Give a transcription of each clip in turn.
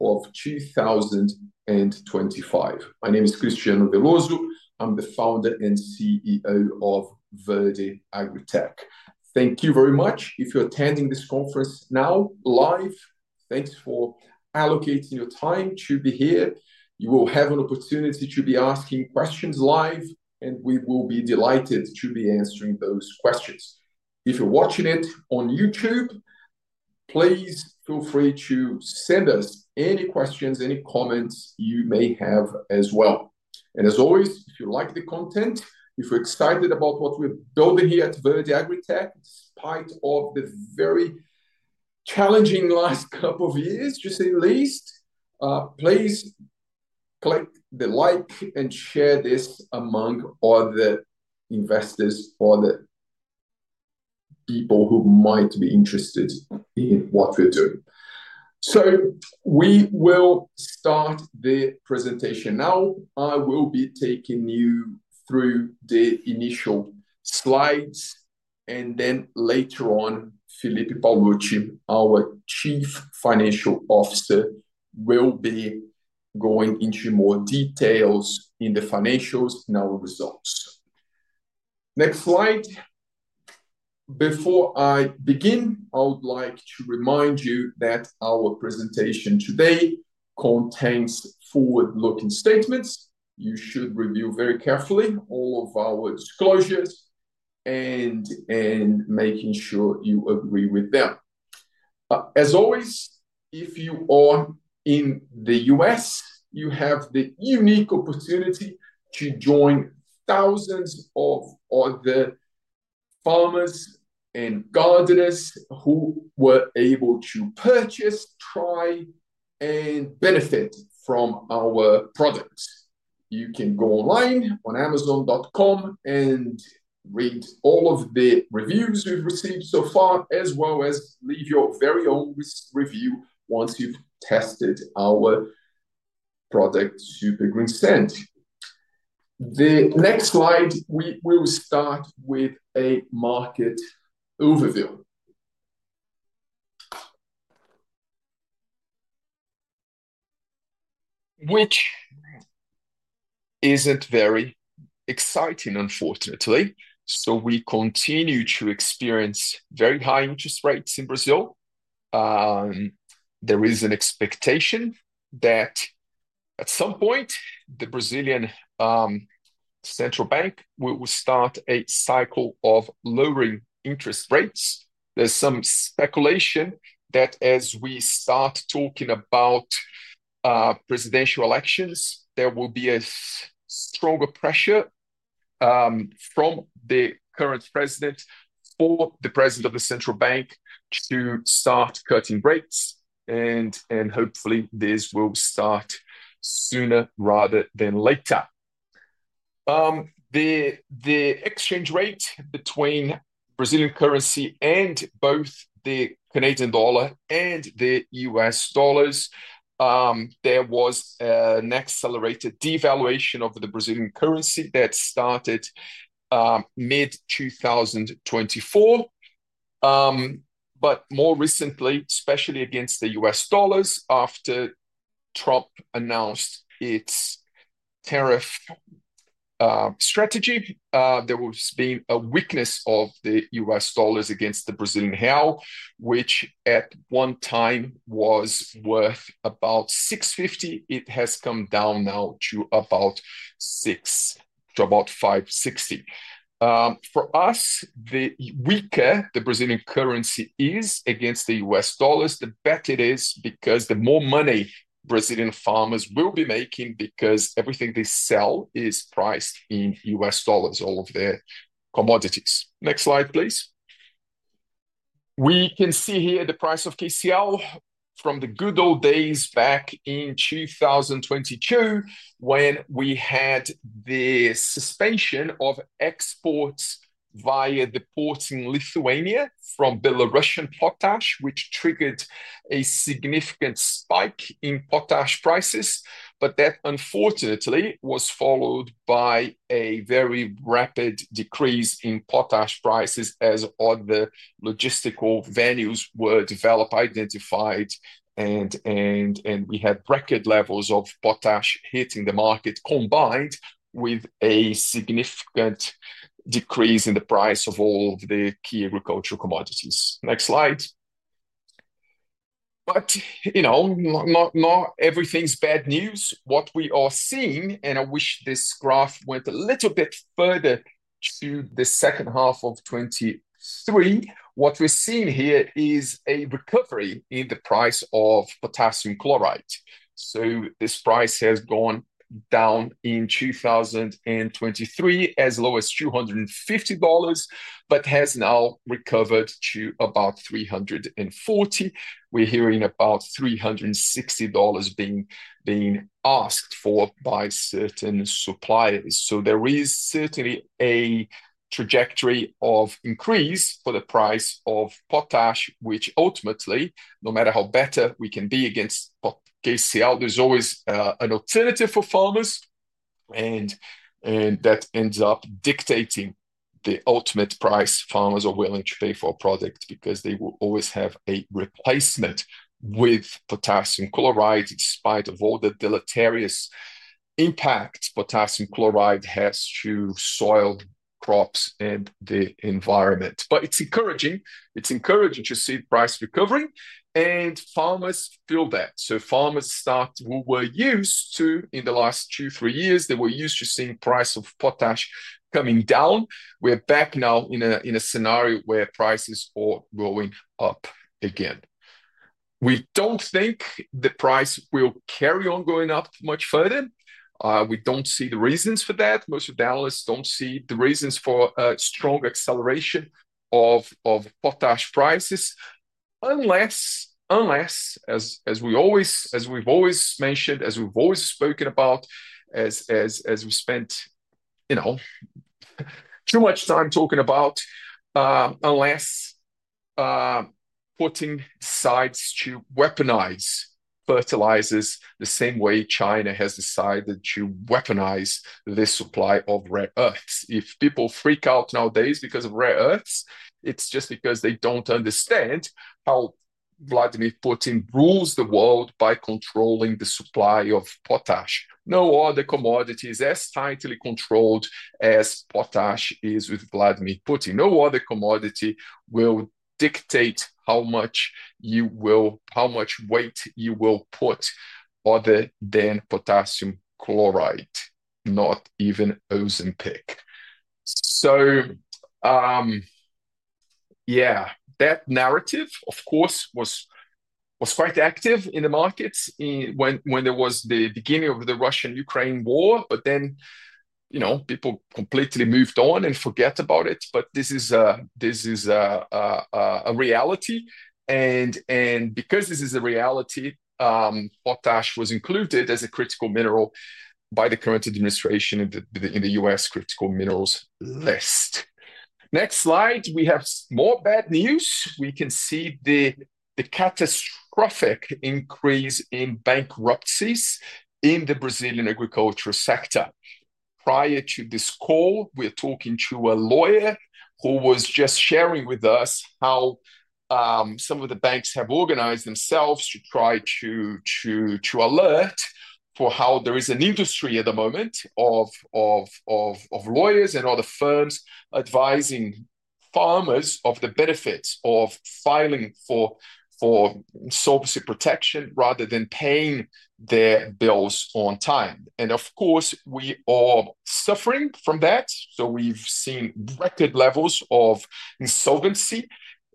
Of 2025. My name is Cristiano Veloso. I'm the founder and CEO of Verde AgriTech. Thank you very much. If you're attending this conference now live, thanks for allocating your time to be here. You will have an opportunity to be asking questions live, and we will be delighted to be answering those questions. If you're watching it on YouTube, please feel free to send us any questions, any comments you may have as well. As always, if you like the content, if you're excited about what we're building here at Verde AgriTech, despite the very challenging last couple of years, to say the least, please click the like and share this among other investors or other people who might be interested in what we're doing. We will start the presentation now. I will be taking you through the initial slides, and then later on, Felipe Paolucci, our Chief Financial Officer, will be going into more details in the financials and our results. Next slide. Before I begin, I would like to remind you that our presentation today contains forward-looking statements. You should review very carefully all of our disclosures and make sure you agree with them. As always, if you are in the U.S., you have the unique opportunity to join thousands of other farmers and gardeners who were able to purchase, try, and benefit from our products. You can go online on amazon.com and read all of the reviews we have received so far, as well as leave your very own review once you have tested our product, Super Green Sand. The next slide, we will start with a market overview. Which isn't very exciting, unfortunately. We continue to experience very high interest rates in Brazil. There is an expectation that at some point, the Brazilian central bank will start a cycle of lowering interest rates. There's some speculation that as we start talking about presidential elections, there will be a stronger pressure from the current president for the president of the central bank to start cutting rates. Hopefully, this will start sooner rather than later. The exchange rate between Brazilian currency and both the Canadian dollar and the U.S. dollar, there was an accelerated devaluation of the Brazilian currency that started mid-2024. More recently, especially against the U.S. dollar, after Trump announced its tariff strategy, there was a weakness of the U.S. dollar against the Brazilian real, which at one time was worth about 6.50. It has come down now to about 6 to about 5.60. For us, the weaker the Brazilian currency is against the U.S. dollars, the better it is, because the more money Brazilian farmers will be making, because everything they sell is priced in U.S. dollars, all of their commodities. Next slide, please. We can see here the price of KCl from the good old days back in 2022, when we had the suspension of exports via the port in Lithuania from Belarusian potash, which triggered a significant spike in potash prices. That, unfortunately, was followed by a very rapid decrease in potash prices as other logistical venues were developed, identified, and we had record levels of potash hitting the market, combined with a significant decrease in the price of all of the key agricultural commodities. Next slide. Not everything's bad news. What we are seeing, and I wish this graph went a little bit further to the second half of 2023, what we're seeing here is a recovery in the price of potassium chloride. This price has gone down in 2023 as low as $250, but has now recovered to about $340. We're hearing about $360 being asked for by certain suppliers. There is certainly a trajectory of increase for the price of potash, which ultimately, no matter how better we can be against KCl, there's always an alternative for farmers. That ends up dictating the ultimate price farmers are willing to pay for a product, because they will always have a replacement with potassium chloride, despite all the deleterious impacts potassium chloride has to soil, crops, and the environment. It is encouraging. It is encouraging to see price recovery. Farmers feel that. Farmers start, who were used to, in the last two, three years, they were used to seeing price of potash coming down. We're back now in a scenario where prices are going up again. We don't think the price will carry on going up much further. We don't see the reasons for that. Most of the analysts don't see the reasons for a strong acceleration of potash prices, unless, as we've always mentioned, as we've always spoken about, as we've spent too much time talking about, unless Putin decides to weaponize fertilizers the same way China has decided to weaponize the supply of rare earths. If people freak out nowadays because of rare earths, it's just because they don't understand how Vladimir Putin rules the world by controlling the supply of potash. No other commodity is as tightly controlled as potash is with Vladimir Putin. No other commodity will dictate how much weight you will put other than potassium chloride, not even Ozempic. Yeah, that narrative, of course, was quite active in the markets when there was the beginning of the Russian-Ukraine war. People completely moved on and forgot about it. This is a reality. Because this is a reality, potash was included as a critical mineral by the current administration in the U.S. critical minerals list. Next slide. We have more bad news. We can see the catastrophic increase in bankruptcies in the Brazilian agricultural sector. Prior to this call, we're talking to a lawyer who was just sharing with us how some of the banks have organized themselves to try to alert for how there is an industry at the moment of lawyers and other firms advising farmers of the benefits of filing for insolvency protection rather than paying their bills on time. Of course, we are suffering from that. We have seen record levels of insolvency.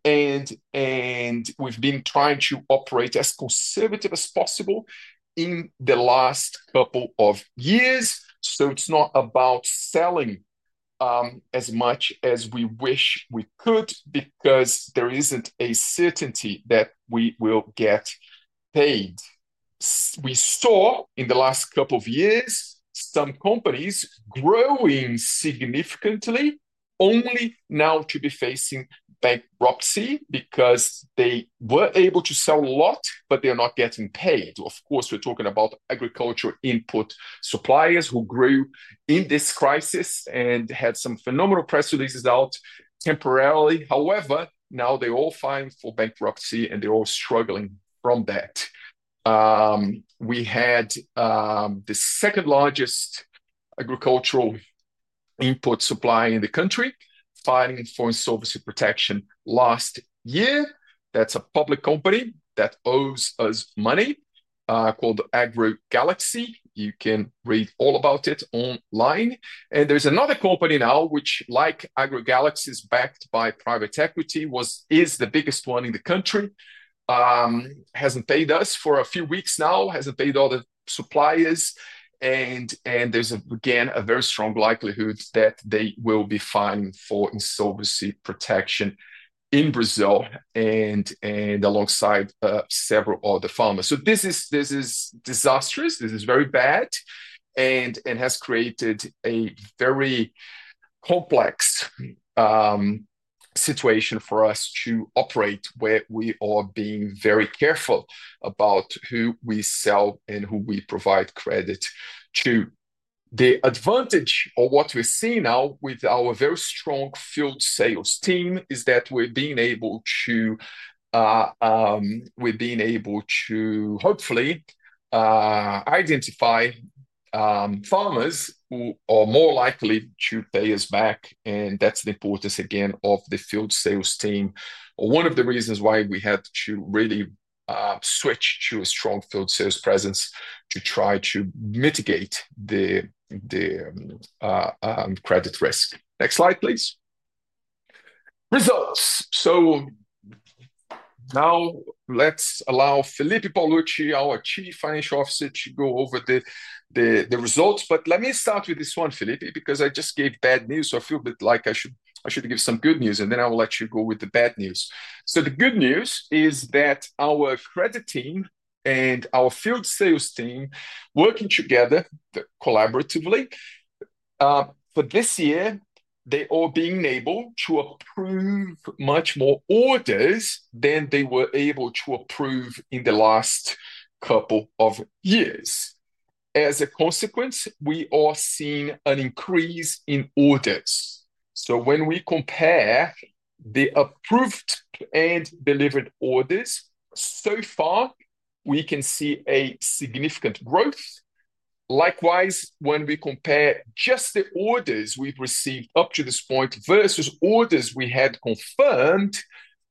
We have been trying to operate as conservatively as possible in the last couple of years. It is not about selling as much as we wish we could, because there is not a certainty that we will get paid. We saw in the last couple of years some companies growing significantly, only now to be facing bankruptcy, because they were able to sell a lot, but they are not getting paid. Of course, we're talking about agricultural input suppliers who grew in this crisis and had some phenomenal press releases out temporarily. However, now they're all filing for bankruptcy, and they're all struggling from that. We had the second largest agricultural input supplier in the country filing for insolvency protection last year. That's a public company that owes us money called AgriGalaxy. You can read all about it online. There is another company now, which, like AgriGalaxy, is backed by private equity, is the biggest one in the country, hasn't paid us for a few weeks now, hasn't paid other suppliers. There is, again, a very strong likelihood that they will be filing for insolvency protection in Brazil and alongside several other farmers. This is disastrous. This is very bad and has created a very complex situation for us to operate, where we are being very careful about who we sell and who we provide credit to. The advantage of what we're seeing now with our very strong field sales team is that we're being able to, we're being able to hopefully identify farmers who are more likely to pay us back. That's the importance, again, of the field sales team. One of the reasons why we had to really switch to a strong field sales presence to try to mitigate the credit risk. Next slide, please. Results. Now let's allow Felipe Paolucci, our Chief Financial Officer, to go over the results. Let me start with this one, Felipe, because I just gave bad news. I feel a bit like I should give some good news, and then I will let you go with the bad news. The good news is that our credit team and our field sales team, working together collaboratively for this year, are being able to approve much more orders than they were able to approve in the last couple of years. As a consequence, we are seeing an increase in orders. When we compare the approved and delivered orders so far, we can see a significant growth. Likewise, when we compare just the orders we have received up to this point versus orders we had confirmed,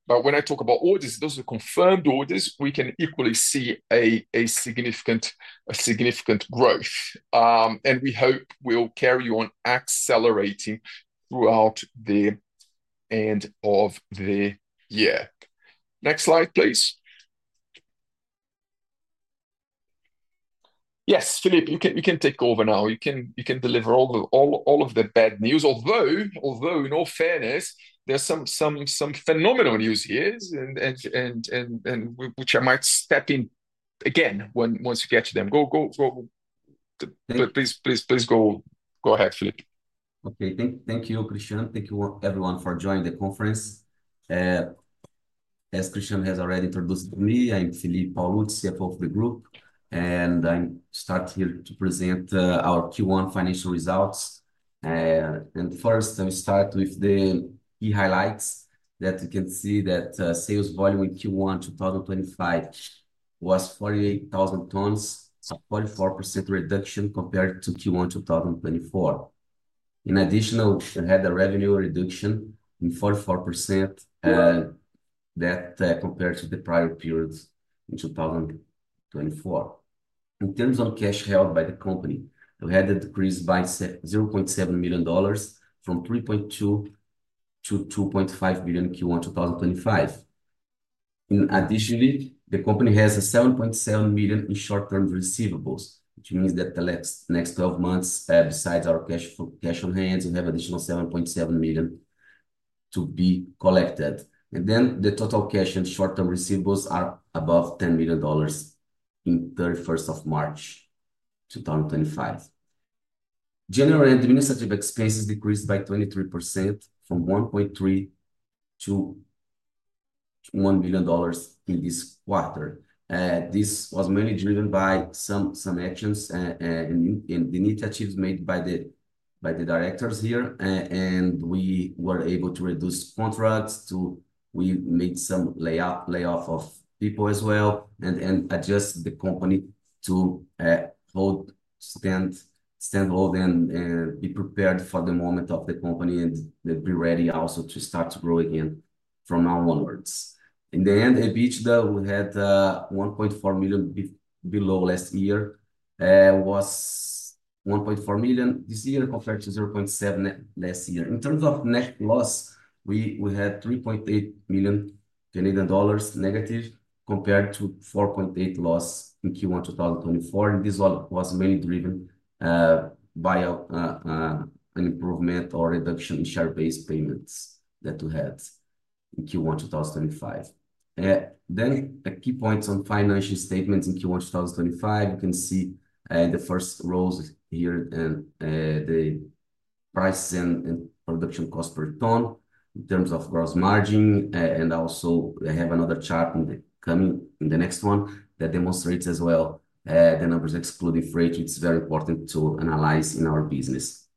but when I talk about orders, those are confirmed orders, we can equally see a significant growth. We hope we will carry on accelerating throughout the end of the year. Next slide, please. Yes, Felipe, you can take over now. You can deliver all of the bad news. Although, in all fairness, there's some phenomenal news here, which I might step in again once you get to them. Please go ahead, Felipe. Okay. Thank you, Cristiano. Thank you, everyone, for joining the conference. As Cristiano has already introduced me, I'm Felipe Paolucci, CFO of the group. I'm starting here to present our Q1 financial results. First, I'll start with the key highlights. You can see that sales volume in Q1 2025 was 48,000 tons, a 44% reduction compared to Q1 2024. In addition, we had a revenue reduction of 44% compared to the prior period in 2024. In terms of cash held by the company, we had a decrease by $0.7 million from $3.2 million to $2.5 million in Q1 2025. Additionally, the company has $7.7 million in short-term receivables, which means that in the next 12 months, besides our cash on hand, we have an additional $7.7 million to be collected. The total cash and short-term receivables are above $10 million as of March 31, 2025. General and administrative expenses decreased by 23% from $1.3 million to $1 million in this quarter. This was mainly driven by some actions and initiatives made by the directors here. We were able to reduce contracts, we made some layoff of people as well, and adjust the company to stand hold and be prepared for the moment of the company and be ready also to start to grow again from now onwards. In the end, EBITDA, we had $1.4 million below last year, was $1.4 million this year, compared to $0.7 million last year. In terms of net loss, we had -3.8 million Canadian dollars compared to -4.8 million in Q1 2024. This was mainly driven by an improvement or reduction in share-based payments that we had in Q1 2025. A key point on financial statements in Q1 2025, you can see the first rows here and the price and production cost per ton in terms of gross margin. I also have another chart coming in the next one that demonstrates as well the numbers excluding freight, which is very important to analyze in our business.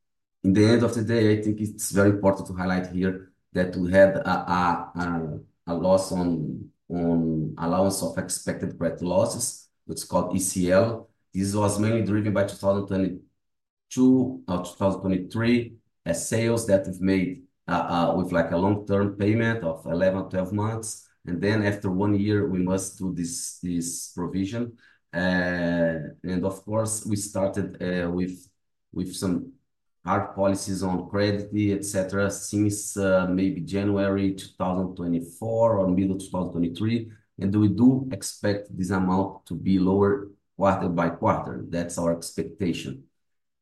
At the end of the day, I think it is very important to highlight here that we had a loss on allowance of expected credit losses, which is called ECL. This was mainly driven by 2022 or 2023 sales that we have made with a long-term payment of 11-12 months. After one year, we must do this provision. Of course, we started with some hard policies on credit, etc., since maybe January 2024 or middle 2023. We do expect this amount to be lower quarter by quarter. That's our expectation.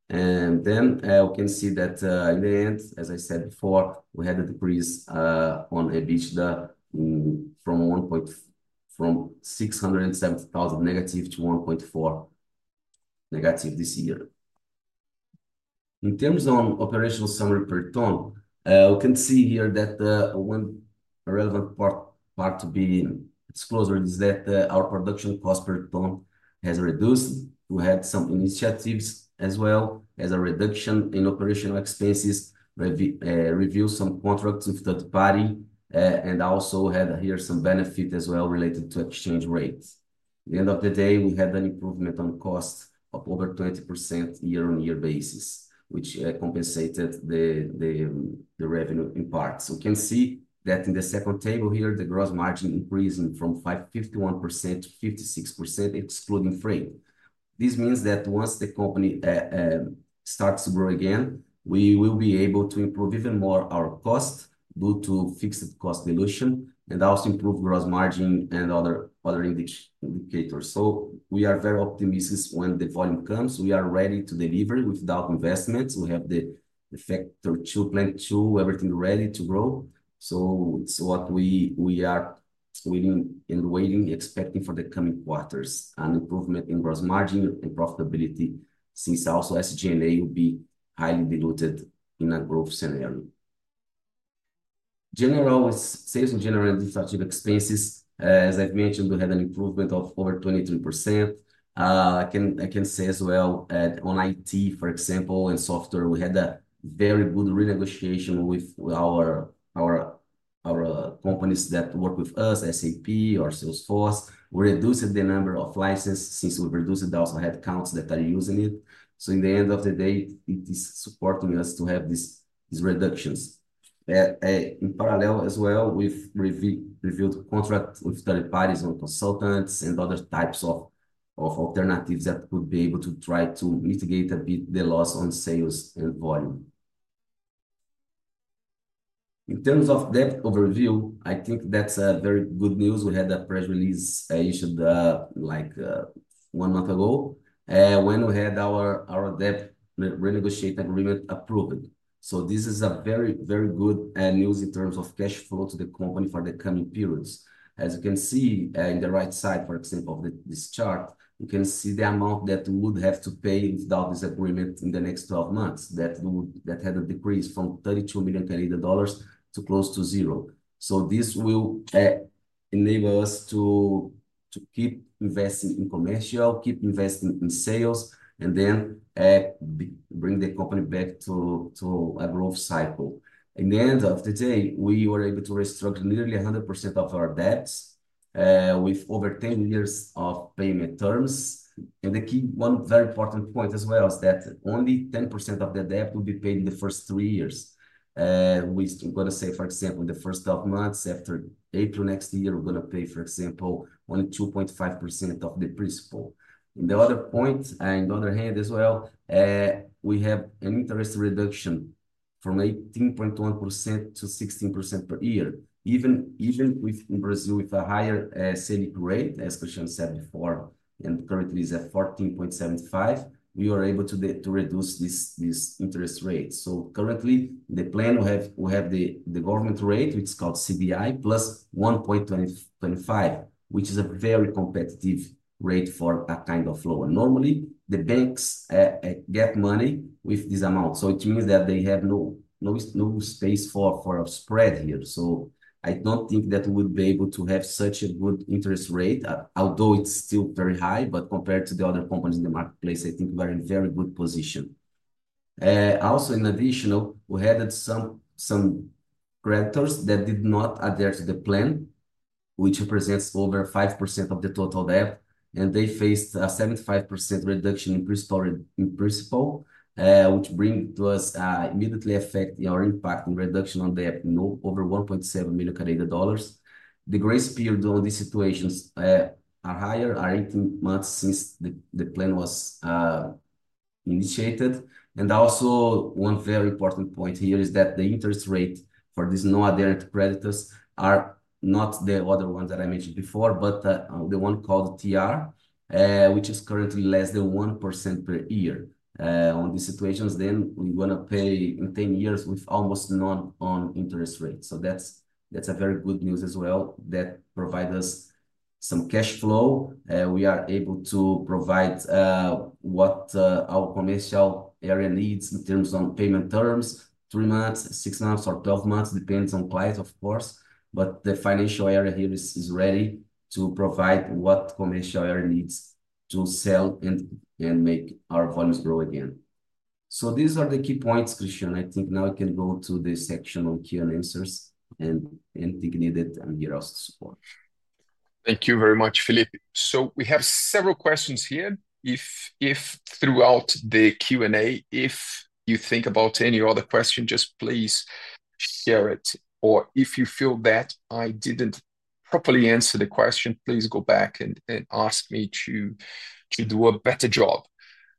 Then we can see that in the end, as I said before, we had a decrease on EBITDA from -$670,000 to -$1.4 million this year. In terms of operational summary per ton, we can see here that one relevant part to be disclosed is that our production cost per ton has reduced. We had some initiatives as well as a reduction in operational expenses, reviewed some contracts with third party, and also had here some benefit as well related to exchange rates. At the end of the day, we had an improvement on cost of over 20% year-on-year basis, which compensated the revenue in part. We can see that in the second table here, the gross margin increased from 51%- 56% excluding freight. This means that once the company starts to grow again, we will be able to improve even more our cost due to fixed cost dilution and also improve gross margin and other indicators. We are very optimistic when the volume comes. We are ready to deliver without investments. We have the factory two, plant two, everything ready to grow. It is what we are waiting and waiting, expecting for the coming quarters, an improvement in gross margin and profitability since also SG&A will be highly diluted in a growth scenario. Sales in general and administrative expenses, as I have mentioned, we had an improvement of over 23%. I can say as well on IT, for example, and software, we had a very good renegotiation with our companies that work with us, SAP or Salesforce. We reduced the number of licenses since we have reduced it. They also had accounts that are using it. In the end of the day, it is supporting us to have these reductions. In parallel as well, we've reviewed contracts with third parties on consultants and other types of alternatives that would be able to try to mitigate a bit the loss on sales and volume. In terms of debt overview, I think that's very good news. We had a press release issued one month ago when we had our debt renegotiation agreement approved. This is very, very good news in terms of cash flow to the company for the coming periods. As you can see in the right side, for example, of this chart, you can see the amount that we would have to pay without this agreement in the next 12 months that had a decrease from $32 million to close to zero. This will enable us to keep investing in commercial, keep investing in sales, and then bring the company back to a growth cycle. In the end of the day, we were able to restructure nearly 100% of our debts with over 10 years of payment terms. The key one very important point as well is that only 10% of the debt will be paid in the first three years. For example, in the first 12 months after April next year, we are going to pay only 2.5% of the principal. On the other hand as well, we have an interest reduction from 18.1%-16% per year. Even with Brazil, with a higher Selic rate, as Cristiano said before, and currently is at 14.75, we were able to reduce this interest rate. Currently, the plan we have, the government rate, which is called CBI, +1.25, which is a very competitive rate for a kind of loan. Normally, the banks get money with this amount. It means that they have no space for a spread here. I do not think that we would be able to have such a good interest rate, although it is still very high, but compared to the other companies in the marketplace, I think we are in a very good position. Also, in addition, we added some creditors that did not adhere to the plan, which represents over 5% of the total debt. They faced a 75% reduction in principal, which brings to us immediate effect in our impact and reduction on debt over 1.7 million Canadian dollars. The grace period on these situations is higher, is 18 months since the plan was initiated. Also, one very important point here is that the interest rate for these non-adherent creditors is not the other one that I mentioned before, but the one called TR, which is currently less than 1% per year. In these situations, we are going to pay in 10 years with almost no interest rate. That is very good news as well that provides us some cash flow. We are able to provide what our commercial area needs in terms of payment terms, three months, six months, or 12 months, depends on clients, of course. The financial area here is ready to provide what the commercial area needs to sell and make our volumes grow again. These are the key points, Cristiano. I think now we can go to the section on Q&A answers and anything needed and your also support. Thank you very much, Felipe. We have several questions here. If throughout the Q&A, if you think about any other question, just please share it. Or if you feel that I did not properly answer the question, please go back and ask me to do a better job.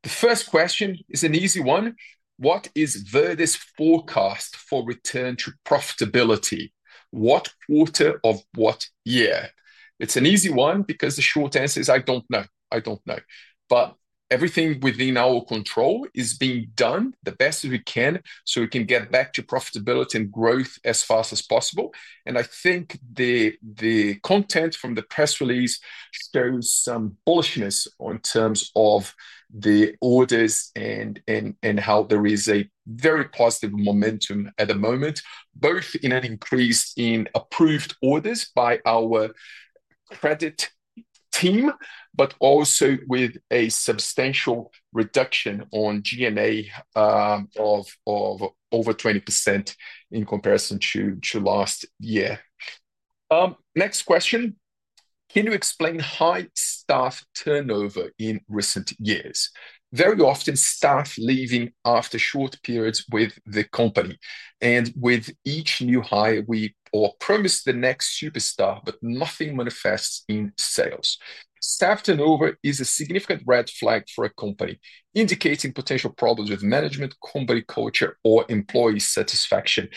The first question is an easy one. What is Verde's forecast for return to profitability? What quarter of what year? It is an easy one because the short answer is I do not know. I do not know. Everything within our control is being done the best we can so we can get back to profitability and growth as fast as possible. I think the content from the press release shows some bullishness in terms of the orders and how there is a very positive momentum at the moment, both in an increase in approved orders by our credit team, but also with a substantial reduction on G&A of over 20% in comparison to last year. Next question. Can you explain high staff turnover in recent years? Very often, staff leaving after short periods with the company. And with each new hire, we promise the next superstar, but nothing manifests in sales. Staff turnover is a significant red flag for a company, indicating potential problems with management, company culture, or employee satisfaction.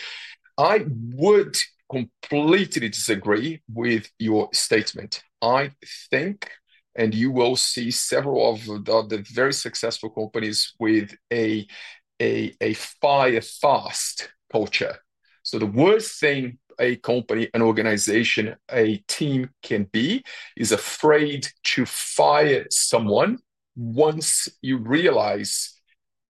I would completely disagree with your statement. I think, and you will see several of the very successful companies with a fire-fast culture. The worst thing a company, an organization, a team can be is afraid to fire someone once you realize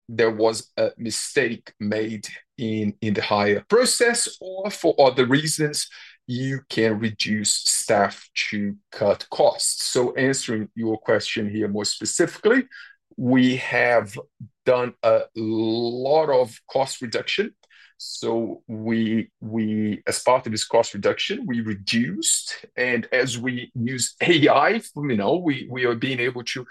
there was a mistake made in the hire process or for other reasons, you can reduce staff to cut costs. Answering your question here more specifically, we have done a lot of cost reduction. As part of this cost reduction, we reduced. As we use AI, we are being able to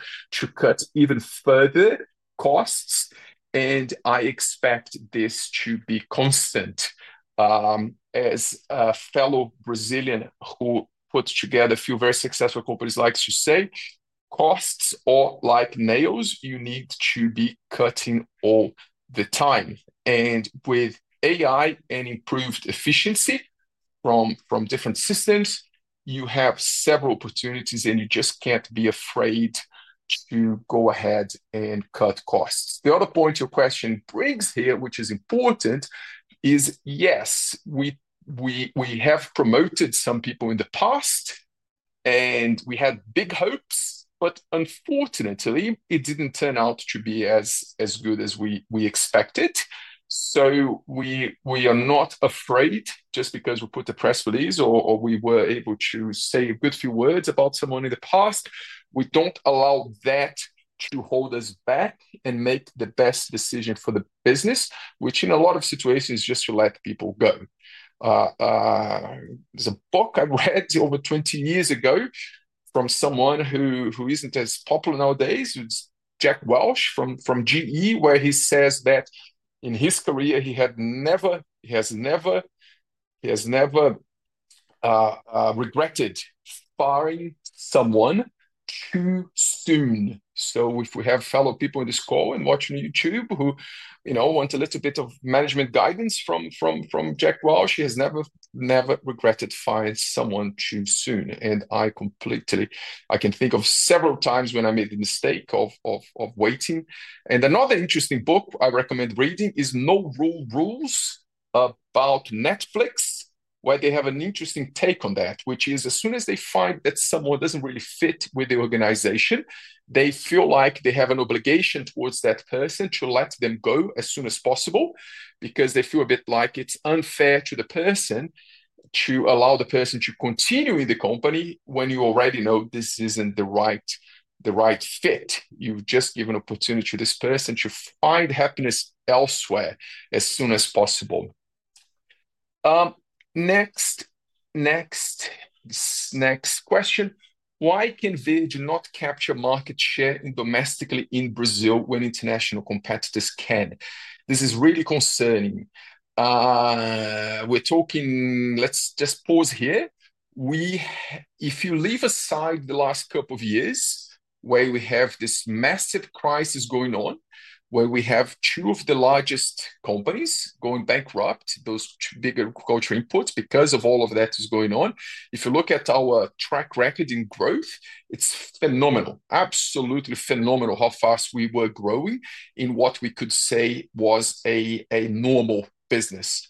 cut even further costs. I expect this to be constant. As a fellow Brazilian who puts together a few very successful companies likes to say, costs are like nails you need to be cutting all the time. With AI and improved efficiency from different systems, you have several opportunities, and you just can't be afraid to go ahead and cut costs. The other point your question brings here, which is important, is yes, we have promoted some people in the past, and we had big hopes, but unfortunately, it did not turn out to be as good as we expected. We are not afraid just because we put the press release or we were able to say a good few words about someone in the past. We do not allow that to hold us back and make the best decision for the business, which in a lot of situations is just to let people go. There is a book I read over 20 years ago from someone who is not as popular nowadays, who is Jack Welch from GE, where he says that in his career, he has never regretted firing someone too soon. If we have fellow people in this call and watching YouTube who want a little bit of management guidance from Jack Welch, he has never regretted firing someone too soon. I completely can think of several times when I made the mistake of waiting. Another interesting book I recommend reading is No Rules Rules about Netflix, where they have an interesting take on that, which is as soon as they find that someone does not really fit with the organization, they feel like they have an obligation towards that person to let them go as soon as possible because they feel a bit like it is unfair to the person to allow the person to continue in the company when you already know this is not the right fit. You have just given an opportunity to this person to find happiness elsewhere as soon as possible. Next question. Why can Verde not capture market share domestically in Brazil when international competitors can? This is really concerning. Let's just pause here. If you leave aside the last couple of years where we have this massive crisis going on, where we have two of the largest companies going bankrupt, those two bigger agriculture inputs because of all of that is going on, if you look at our track record in growth, it's phenomenal, absolutely phenomenal how fast we were growing in what we could say was a normal business.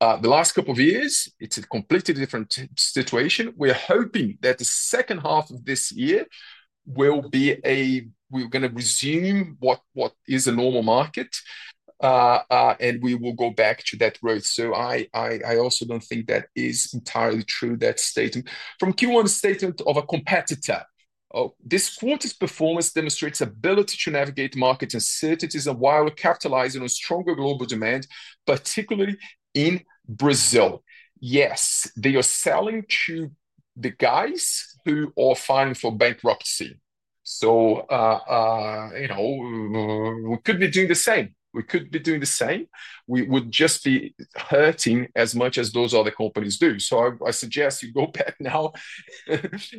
The last couple of years, it's a completely different situation. We're hoping that the second half of this year will be a we're going to resume what is a normal market, and we will go back to that growth. I also don't think that is entirely true, that statement. From Q1, a statement of a competitor. This quarter's performance demonstrates ability to navigate market uncertainties while capitalizing on stronger global demand, particularly in Brazil. Yes, they are selling to the guys who are filing for bankruptcy. We could be doing the same. We could be doing the same. We would just be hurting as much as those other companies do. I suggest you go back now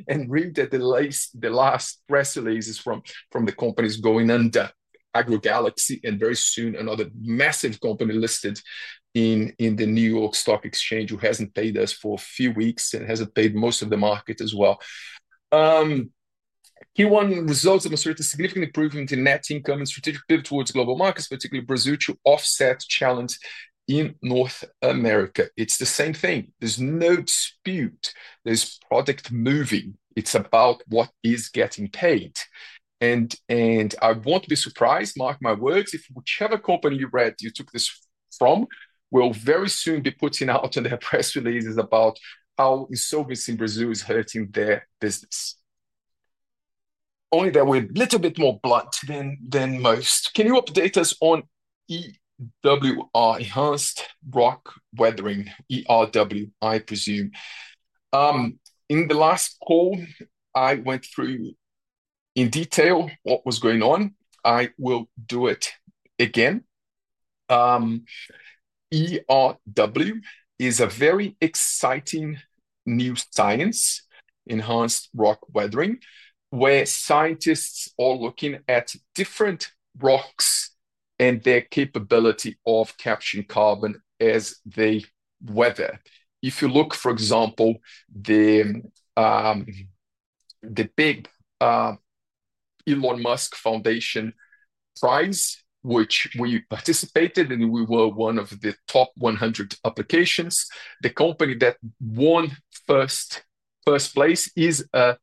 and read the last press releases from the companies going under, AgroGalaxy, and very soon, another massive company listed in the New York Stock Exchange who hasn't paid us for a few weeks and hasn't paid most of the market as well. Q1 results demonstrate a significant improvement in net income and strategic pivot towards global markets, particularly Brazil, to offset challenge in North America. It's the same thing. There's no dispute. There's product moving. It's about what is getting paid. I will not be surprised, mark my words, if whichever company you read, you took this from, will very soon be putting out on their press releases about how insolvency in Brazil is hurting their business. Only they were a little bit more blunt than most. Can you update us on ERW, Enhanced Rock Weathering, ERW, I presume? In the last call, I went through in detail what was going on. I will do it again. ERW is a very exciting new science, Enhanced Rock Weathering, where scientists are looking at different rocks and their capability of capturing carbon as they weather. If you look, for example, the big Elon Musk Foundation XPRIZE, which we participated in, and we were one of the top 100 applications. The company that won first place is an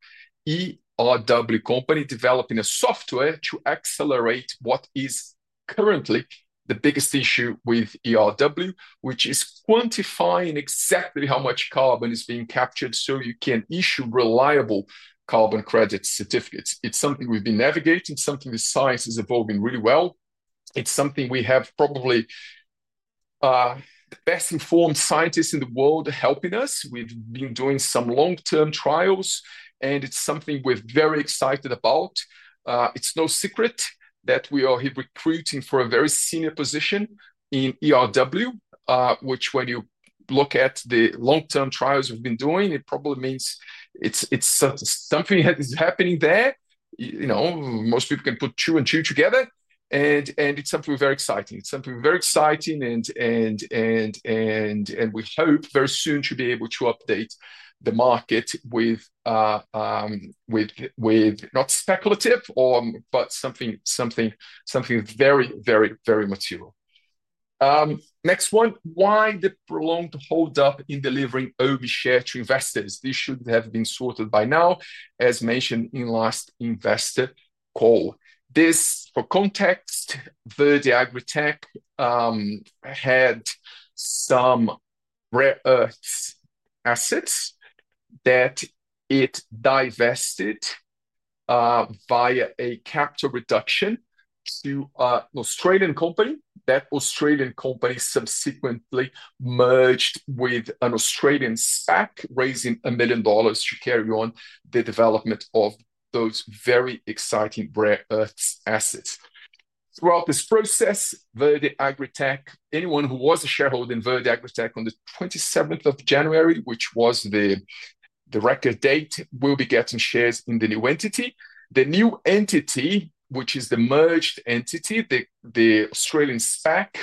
ERW company developing a software to accelerate what is currently the biggest issue with ERW, which is quantifying exactly how much carbon is being captured so you can issue reliable carbon credit certificates. It's something we've been navigating, something the science is evolving really well. It's something we have probably the best-informed scientists in the world helping us. We've been doing some long-term trials, and it's something we're very excited about. It's no secret that we are recruiting for a very senior position in ERW, which when you look at the long-term trials we've been doing, it probably means it's something that is happening there. Most people can put two and two together, and it's something very exciting. It's something very exciting, and we hope very soon to be able to update the market with not speculative, but something very, very, very material. Next one, why the prolonged hold-up in delivering OBI share to investors? This should have been sorted by now, as mentioned in last investor call. This, for context, Verde AgriTech had some rare earth assets that it divested via a capital reduction to an Australian company. That Australian company subsequently merged with an Australian SPAC, raising $1 million to carry on the development of those very exciting rare earth assets. Throughout this process, Verde AgriTech, anyone who was a shareholder in Verde AgriTech on the 27th of January, which was the record date, will be getting shares in the new entity. The new entity, which is the merged entity, the Australian SPAC,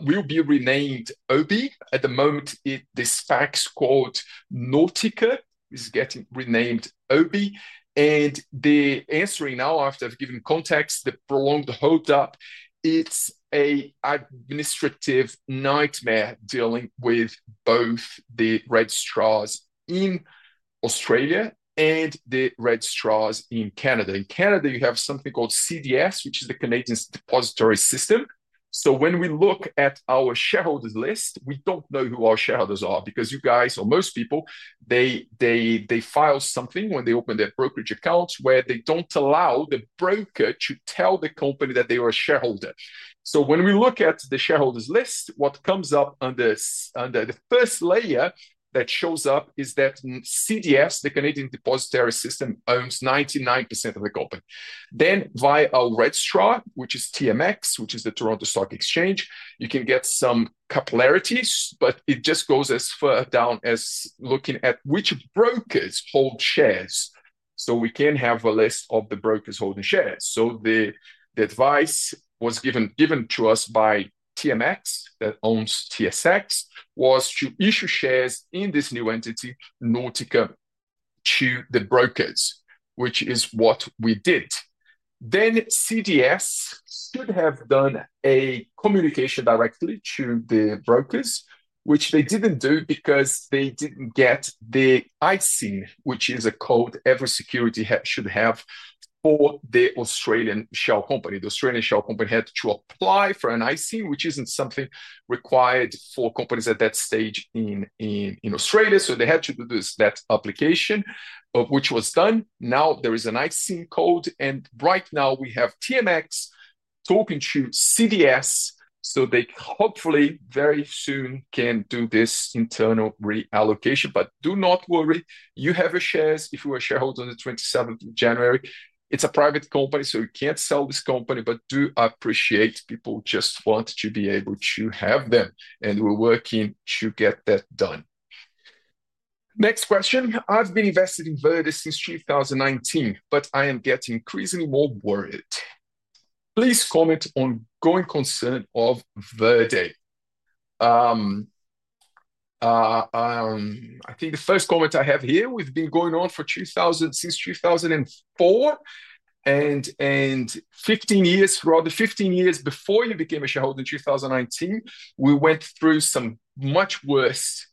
will be renamed OBI. At the moment, the SPAC is called Nautica, is getting renamed OBI. The answering now, after I've given context, the prolonged hold-up, it's an administrative nightmare dealing with both the red stars in Australia and the red stars in Canada. In Canada, you have something called CDS, which is the Canadian Depository System. When we look at our shareholders list, we don't know who our shareholders are because you guys, or most people, they file something when they open their brokerage accounts where they don't allow the broker to tell the company that they are a shareholder. When we look at the shareholders list, what comes up under the first layer that shows up is that CDS, the Canadian Depository System, owns 99% of the company. Via a red star, which is TMX, which is the Toronto Stock Exchange, you can get some capillarities, but it just goes as far down as looking at which brokers hold shares. We can have a list of the brokers holding shares. The advice was given to us by TMX that owns TSX was to issue shares in this new entity, Nautica, to the brokers, which is what we did. CDS should have done a communication directly to the brokers, which they did not do because they did not get the ISIN, which is a code every security should have for the Australian shell company. The Australian shell company had to apply for an ISIN, which is not something required for companies at that stage in Australia. They had to do that application, which was done. Now there is an ISIN code, and right now we have TMX talking to CDS so they hopefully very soon can do this internal reallocation. Do not worry, you have your shares if you are a shareholder on the 27th of January. It's a private company, so you can't sell this company, but do appreciate people just want to be able to have them, and we're working to get that done. Next question. I've been invested in Verde since 2019, but I am getting increasingly more worried. Please comment on growing concern of Verde. I think the first comment I have here, we've been going on for since 2004 and 15 years. Throughout the 15 years before you became a shareholder in 2019, we went through some much worse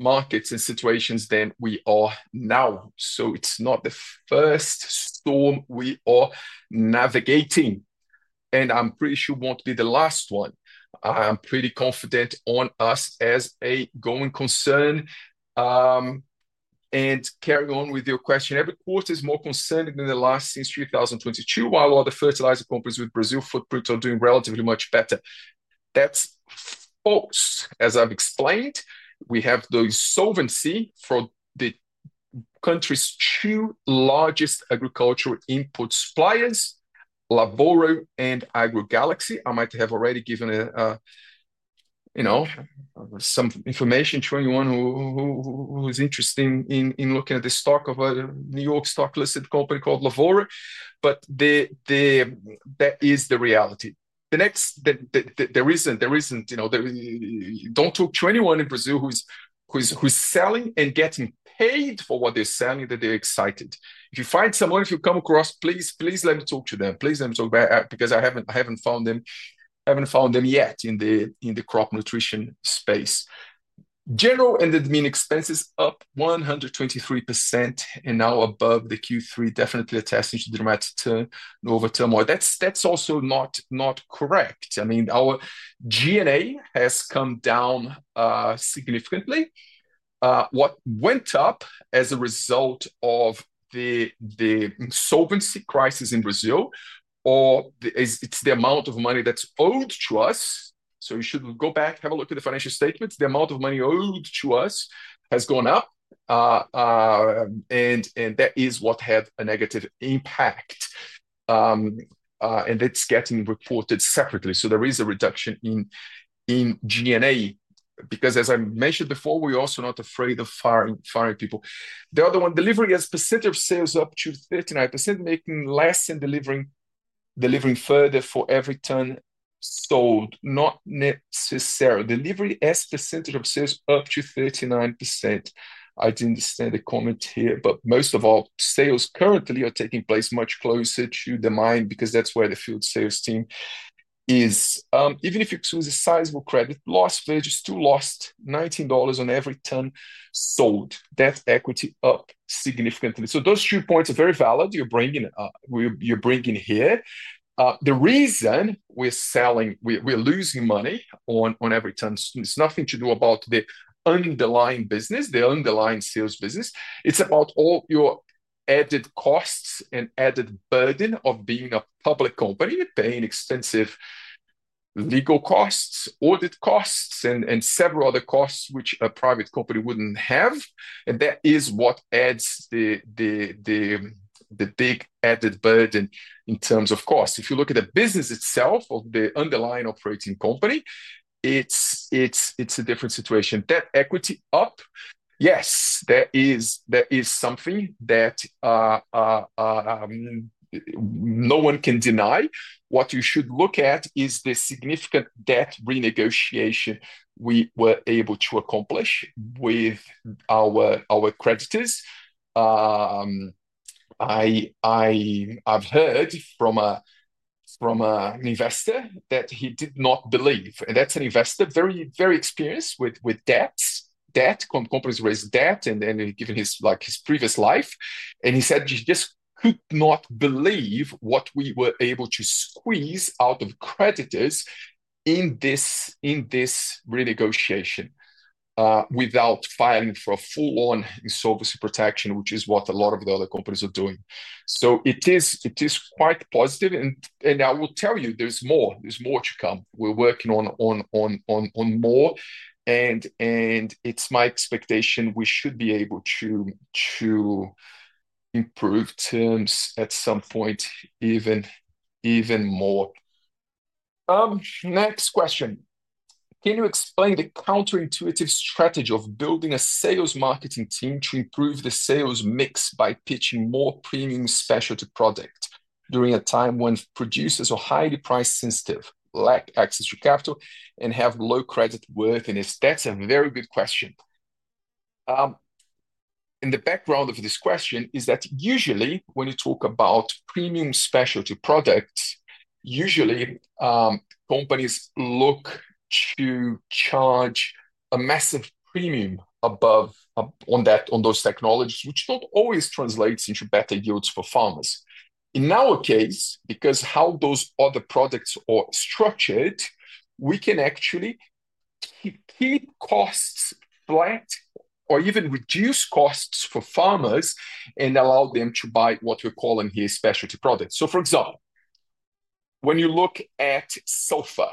markets and situations than we are now. It is not the first storm we are navigating, and I am pretty sure it will not be the last one. I am pretty confident on us as a going concern. Carry on with your question. Every quarter is more concerning than the last since 2022, while other fertilizer companies with Brazil footprints are doing relatively much better. That is false. As I have explained, we have the insolvency for the country's two largest agricultural input suppliers, Lavoro and AgriGalaxy. I might have already given some information to anyone who is interested in looking at the stock of a New York Stock Listed company called Lavoro, but that is the reality. The next, there is not. Do not talk to anyone in Brazil who is selling and getting paid for what they are selling that they are excited. If you find someone, if you come across, please let me talk to them. Please let me talk because I haven't found them yet in the crop nutrition space. General and admin expenses up 123% and now above the Q3, definitely attesting to dramatic turnover turmoil. That's also not correct. I mean, our GNA has come down significantly. What went up as a result of the insolvency crisis in Brazil is the amount of money that's owed to us. You should go back, have a look at the financial statements. The amount of money owed to us has gone up, and that is what had a negative impact, and it's getting reported separately. There is a reduction in GNA because, as I mentioned before, we're also not afraid of firing people. The other one, delivery as percentage of sales up to 39%, making less than delivering further for every ton sold. Not necessarily. Delivery as percentage of sales up to 39%. I didn't understand the comment here, but most of our sales currently are taking place much closer to the mine because that's where the field sales team is. Even if you choose a sizable credit loss, Verde still lost $19 on every ton sold. That equity up significantly. Those two points are very valid you're bringing here. The reason we're losing money on every ton, it's nothing to do about the underlying business, the underlying sales business. It's about all your added costs and added burden of being a public company. You're paying expensive legal costs, audit costs, and several other costs which a private company wouldn't have. That is what adds the big added burden in terms of cost. If you look at the business itself of the underlying operating company, it's a different situation. That equity up, yes, that is something that no one can deny. What you should look at is the significant debt renegotiation we were able to accomplish with our creditors. I've heard from an investor that he did not believe. And that's an investor very, very experienced with debt, companies raising debt, and given his previous life. He said he just could not believe what we were able to squeeze out of creditors in this renegotiation without filing for a full-on insolvency protection, which is what a lot of the other companies are doing. It is quite positive. I will tell you, there's more. There's more to come. We're working on more. It's my expectation we should be able to improve terms at some point, even more. Next question. Can you explain the counterintuitive strategy of building a sales marketing team to improve the sales mix by pitching more premium specialty products during a time when producers are highly price-sensitive, lack access to capital, and have low credit worthiness? That's a very good question. The background of this question is that usually when you talk about premium specialty products, usually companies look to charge a massive premium on those technologies, which do not always translate into better yields for farmers. In our case, because of how those other products are structured, we can actually keep costs flat or even reduce costs for farmers and allow them to buy what we're calling here specialty products. For example, when you look at sulfur,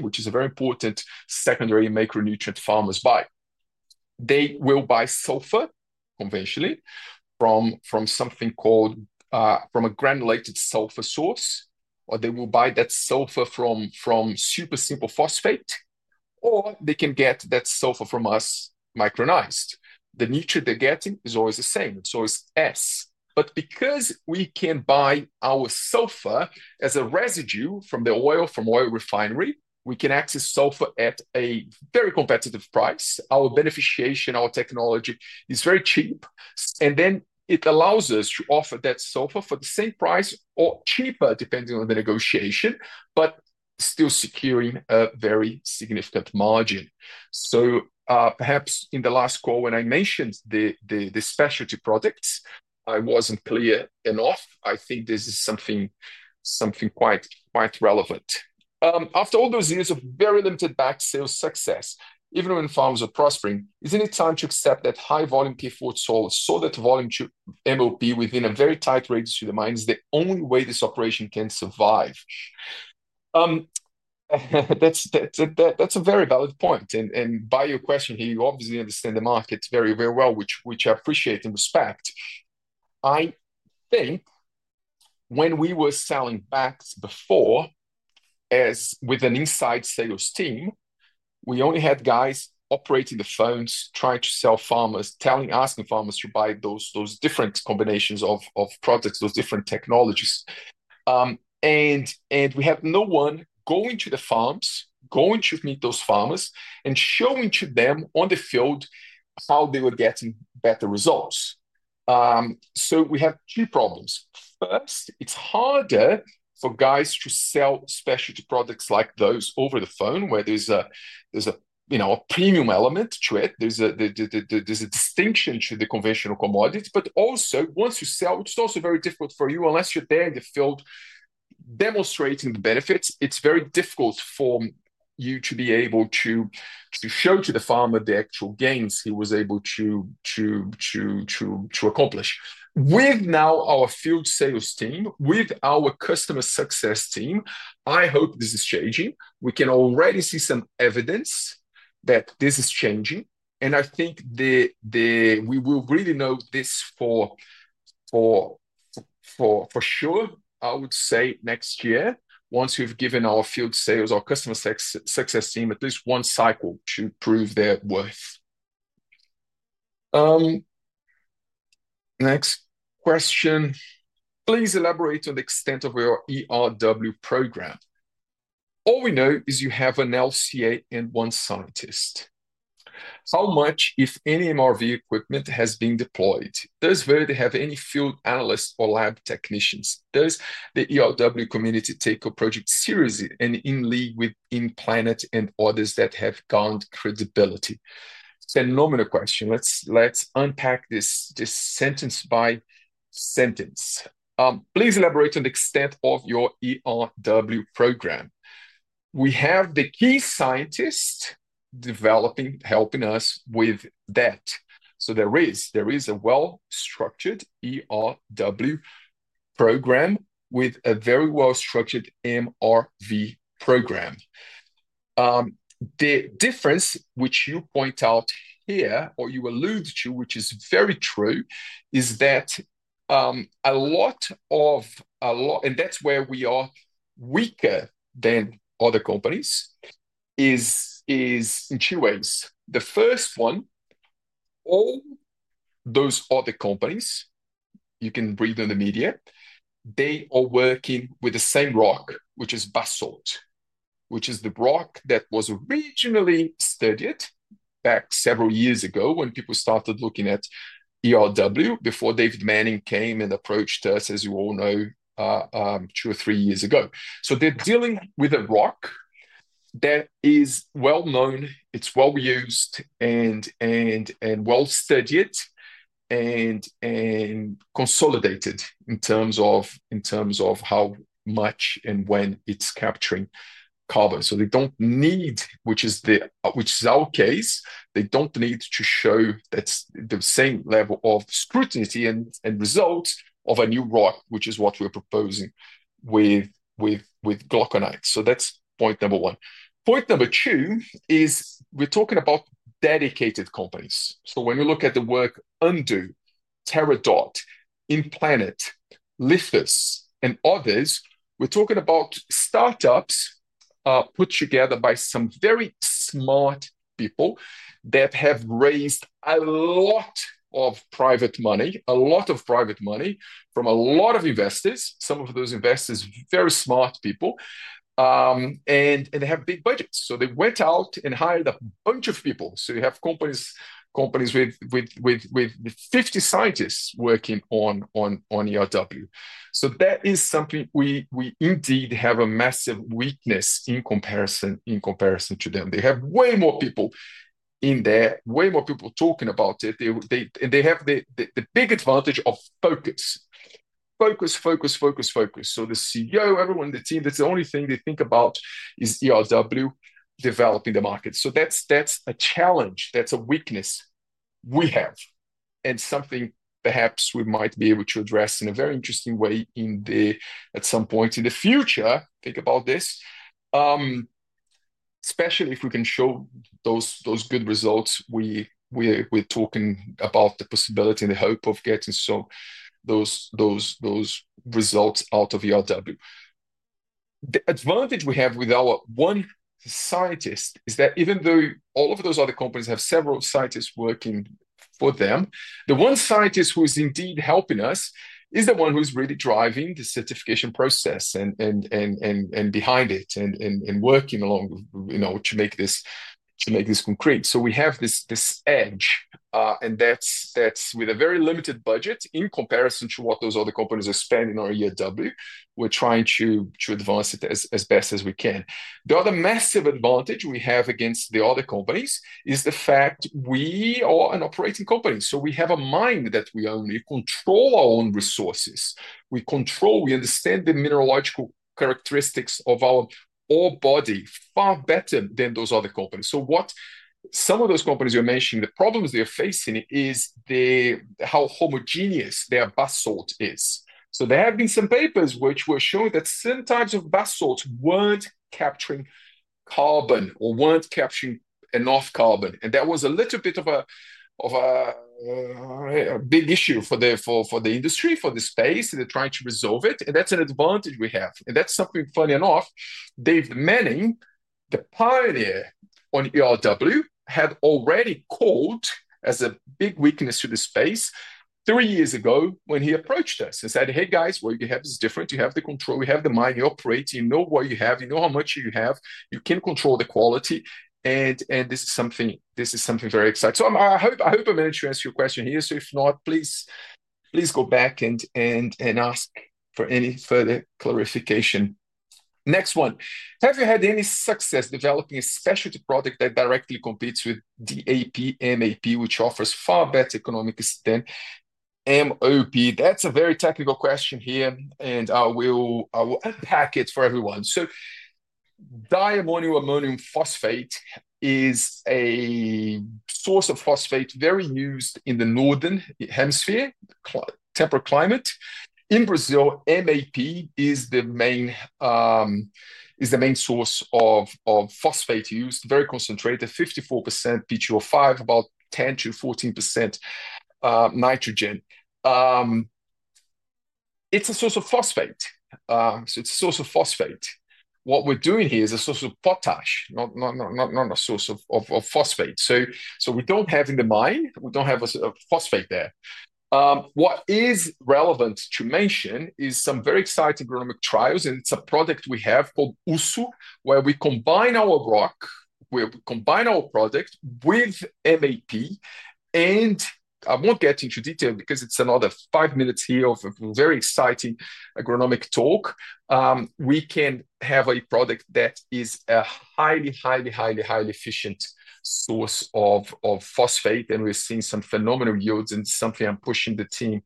which is a very important secondary macronutrient farmers buy, they will buy sulfur conventionally from something called a granulated sulfur source, or they will buy that sulfur from Single Superphosphate, or they can get that sulfur from us micronized. The nutrient they're getting is always the same. It's always S. Because we can buy our sulfur as a residue from the oil refinery, we can access sulfur at a very competitive price. Our beneficiation, our technology is very cheap, and it allows us to offer that sulfur for the same price or cheaper, depending on the negotiation, but still securing a very significant margin. Perhaps in the last call, when I mentioned the specialty products, I was not clear enough. I think this is something quite relevant. After all those years of very limited back sales success, even when farmers are prospering, isn't it time to accept that high volume K Forte sold at volume to MOP within a very tight range to the mine is the only way this operation can survive? That's a very valid point. By your question here, you obviously understand the market very, very well, which I appreciate and respect. I think when we were selling BAKS before, as with an inside sales team, we only had guys operating the phones, trying to sell farmers, asking farmers to buy those different combinations of products, those different technologies. We had no one going to the farms, going to meet those farmers and showing to them on the field how they were getting better results. We have two problems. First, it's harder for guys to sell specialty products like those over the phone where there's a premium element to it. There's a distinction to the conventional commodities. Also, once you sell, it's very difficult for you unless you're there in the field demonstrating the benefits. It's very difficult for you to be able to show to the farmer the actual gains he was able to accomplish. With now our field sales team, with our customer success team, I hope this is changing. We can already see some evidence that this is changing. I think we will really know this for sure, I would say, next year, once we've given our field sales, our customer success team, at least one cycle to prove their worth. Next question. Please elaborate on the extent of your ERW program. All we know is you have an LCA and one scientist. How much, if any, MRV equipment has been deployed? Does Verde have any field analysts or lab technicians? Does the ERW community take your project seriously and in league with InPlanet and others that have gained credibility? Phenomenal question. Let's unpack this sentence by sentence. Please elaborate on the extent of your ERW program. We have the key scientists developing, helping us with that. There is a well-structured ERW program with a very well-structured MRV program. The difference, which you point out here or you allude to, which is very true, is that a lot of, and that's where we are weaker than other companies, is in two ways. The first one, all those other companies, you can read in the media, they are working with the same rock, which is basalt, which is the rock that was originally studied back several years ago when people started looking at ERW before Dave Manning came and approached us, as you all know, two or three years ago. They are dealing with a rock that is well-known. It is well-used and well-studied and consolidated in terms of how much and when it is capturing carbon. They do not need, which is our case, they do not need to show the same level of scrutiny and results of a new rock, which is what we are proposing with glauconites. That is point number one. Point number two is we are talking about dedicated companies. When we look at the work Undo, Terradot, InPlanet, Lithos, and others, we're talking about startups put together by some very smart people that have raised a lot of private money, a lot of private money from a lot of investors, some of those investors are very smart people, and they have big budgets. They went out and hired a bunch of people. You have companies with 50 scientists working on ERW. That is something we indeed have a massive weakness in comparison to them. They have way more people in there, way more people talking about it. They have the big advantage of focus, focus, focus, focus, focus. The CEO, everyone in the team, that's the only thing they think about is ERW developing the market. That's a challenge. That's a weakness we have and something perhaps we might be able to address in a very interesting way at some point in the future. Think about this, especially if we can show those good results. We're talking about the possibility and the hope of getting those results out of ERW. The advantage we have with our one scientist is that even though all of those other companies have several scientists working for them, the one scientist who is indeed helping us is the one who is really driving the certification process and behind it and working along to make this concrete. We have this edge, and that's with a very limited budget in comparison to what those other companies are spending on ERW. We're trying to advance it as best as we can. The other massive advantage we have against the other companies is the fact we are an operating company. We have a mine that we own. We control our own resources. We control, we understand the mineralogical characteristics of our body far better than those other companies. Some of those companies you're mentioning, the problems they're facing is how homogeneous their basalt is. There have been some papers which were showing that some types of basalt were not capturing carbon or were not capturing enough carbon. That was a little bit of a big issue for the industry, for the space. They're trying to resolve it, and that's an advantage we have. That's something, funny enough, Dave Manning, the pioneer on ERW, had already called as a big weakness to the space three years ago when he approached us and said, "Hey, guys, what you have is different. You have the control. We have the mine you operate. You know what you have. You know how much you have. You can control the quality. This is something very exciting. I hope I'm able to answer your question here. If not, please go back and ask for any further clarification. Next one. Have you had any success developing a specialty product that directly competes with DAP, MAP, which offers far better economics than MOP? That's a very technical question here, and I will unpack it for everyone. Diammonium phosphate is a source of phosphate very used in the Northern Hemisphere, temperate climate. In Brazil, MAP is the main source of phosphate used, very concentrated, 54% P2O5, about 10%-14% nitrogen. It's a source of phosphate. It's a source of phosphate. What we're doing here is a source of potash, not a source of phosphate. So we don't have in the mine, we don't have a phosphate there. What is relevant to mention is some very exciting agronomic trials, and it's a product we have called USU, where we combine our rock, where we combine our product with MAP. I won't get into detail because it's another five minutes here of a very exciting agronomic talk. We can have a product that is a highly, highly, highly, highly efficient source of phosphate, and we're seeing some phenomenal yields and something I'm pushing the team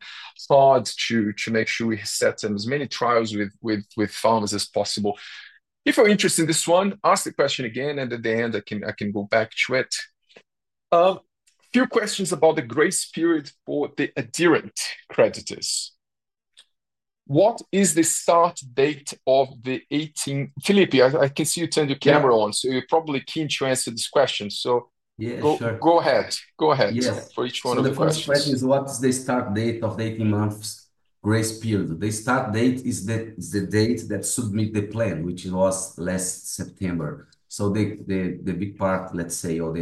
hard to make sure we set up as many trials with farmers as possible. If you're interested in this one, ask the question again, and at the end, I can go back to it. Few questions about the grace period for the adherent creditors. What is the start date of the 18? Felipe, I can see you turned your camera on, so you're probably keen to answer this question. Go ahead. Go ahead for each one of the questions. The question is, what is the start date of the 18-month grace period? The start date is the date that submits the plan, which was last September. The big part, let's say, or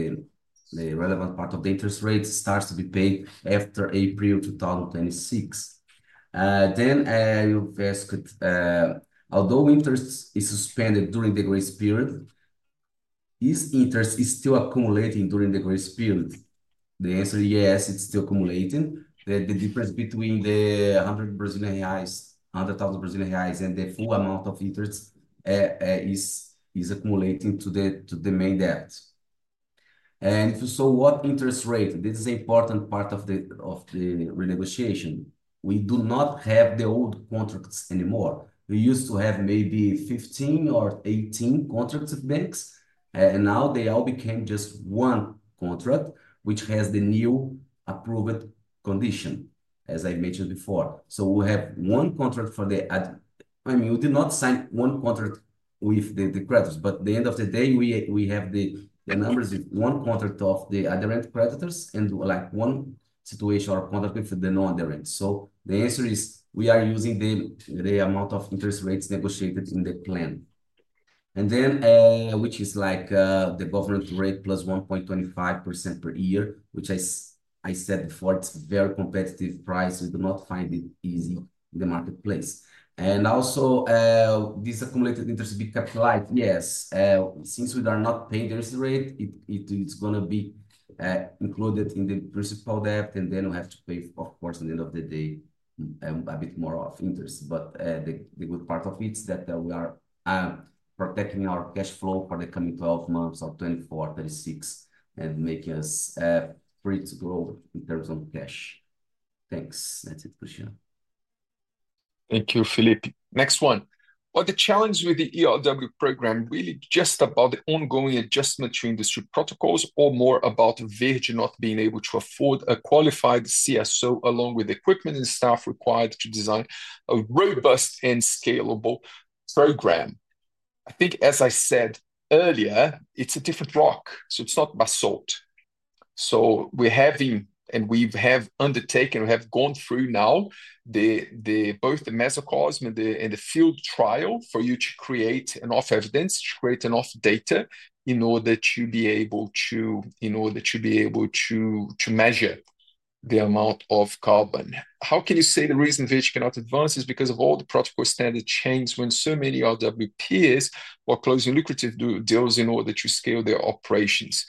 the relevant part of the interest rate starts to be paid after April 2026. You have asked, although interest is suspended during the grace period, is interest still accumulating during the grace period? The answer is yes, it's still accumulating. The difference between the 100,000 Brazilian reais and the full amount of interest is accumulating to the main debt. What interest rate? This is an important part of the renegotiation. We do not have the old contracts anymore. We used to have maybe 15 or 18 contracts with banks, and now they all became just one contract, which has the new approved condition, as I mentioned before. We have one contract for the, I mean, we did not sign one contract with the creditors, but at the end of the day, we have the numbers with one contract of the adherent creditors and one situation or contract with the non-adherent. The answer is we are using the amount of interest rates negotiated in the plan, which is like the government rate +1.25% per year, which I said before, it's a very competitive price. We do not find it easy in the marketplace. Also, this accumulated interest is being capitalized. Yes, since we are not paying the interest rate, it's going to be included in the principal debt, and then we have to pay, of course, at the end of the day, a bit more of interest. The good part of it is that we are protecting our cash flow for the coming 12 months or 24, 36, and making us free to grow in terms of cash. Thanks. That's it, Cristiano. Thank you, Felipe. Next one. Are the challenges with the ERW program really just about the ongoing adjustment to industry protocols or more about Verde not being able to afford a qualified CSO along with equipment and staff required to design a robust and scalable program? I think, as I said earlier, it's a different rock, so it's not basalt. We're having, and we've undertaken, we have gone through now both the mesocosm and the field trial for you to create enough evidence, to create enough data in order to be able to, in order to be able to measure the amount of carbon. How can you say the reason Verde cannot advance is because of all the protocol standard change when so many RWPs were closing lucrative deals in order to scale their operations?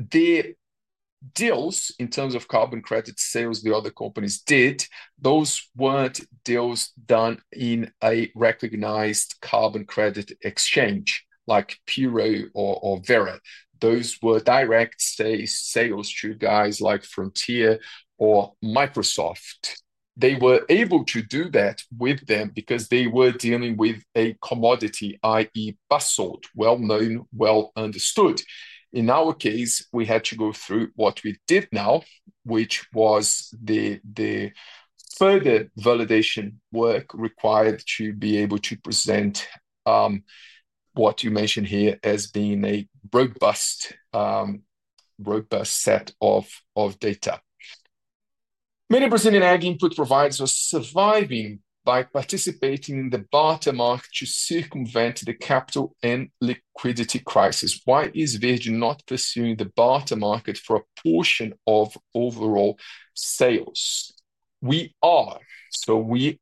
The deals, in terms of carbon credit sales the other companies did, those weren't deals done in a recognized carbon credit exchange like Puro or Verra. Those were direct sales to guys like Frontier or Microsoft. They were able to do that with them because they were dealing with a commodity, i.e., basalt, well-known, well-understood. In our case, we had to go through what we did now, which was the further validation work required to be able to present what you mentioned here as being a robust set of data. Many Brazilian ag input providers are surviving by participating in the barter market to circumvent the capital and liquidity crisis. Why is Verde not pursuing the barter market for a portion of overall sales? We are. We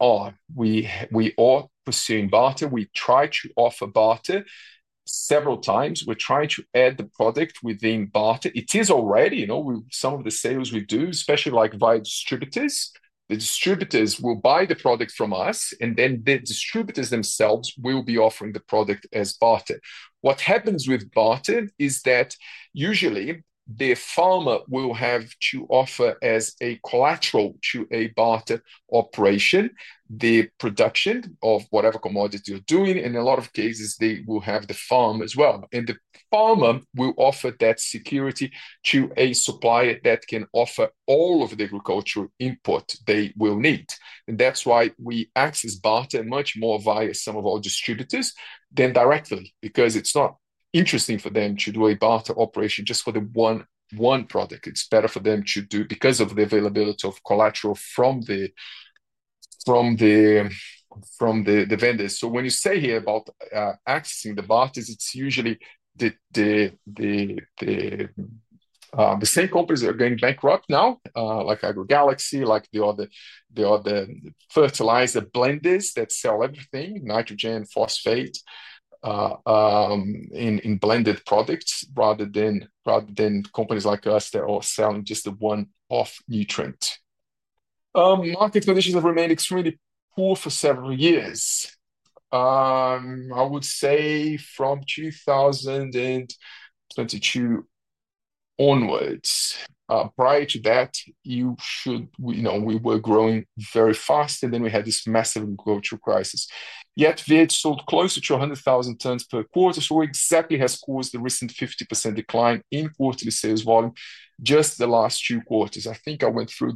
are pursuing barter. We try to offer barter several times. We are trying to add the product within barter. It is already, some of the sales we do, especially via distributors. The distributors will buy the product from us, and then the distributors themselves will be offering the product as barter. What happens with barter is that usually the farmer will have to offer as a collateral to a barter operation the production of whatever commodity you're doing. In a lot of cases, they will have the farm as well. The farmer will offer that security to a supplier that can offer all of the agricultural input they will need. That is why we access barter much more via some of our distributors than directly because it's not interesting for them to do a barter operation just for the one product. It's better for them to do because of the availability of collateral from the vendors. When you say here about accessing the barters, it's usually the same companies that are going bankrupt now, like AgroGalaxy, like the other fertilizer blenders that sell everything, nitrogen, phosphate in blended products rather than companies like us that are selling just the one-off nutrient. Market conditions have remained extremely poor for several years. I would say from 2022 onwards. Prior to that, we were growing very fast, and then we had this massive agricultural crisis. Yet Verde sold closer to 100,000 tons per quarter, so it exactly has caused the recent 50% decline in quarterly sales volume just the last two quarters. I think I went through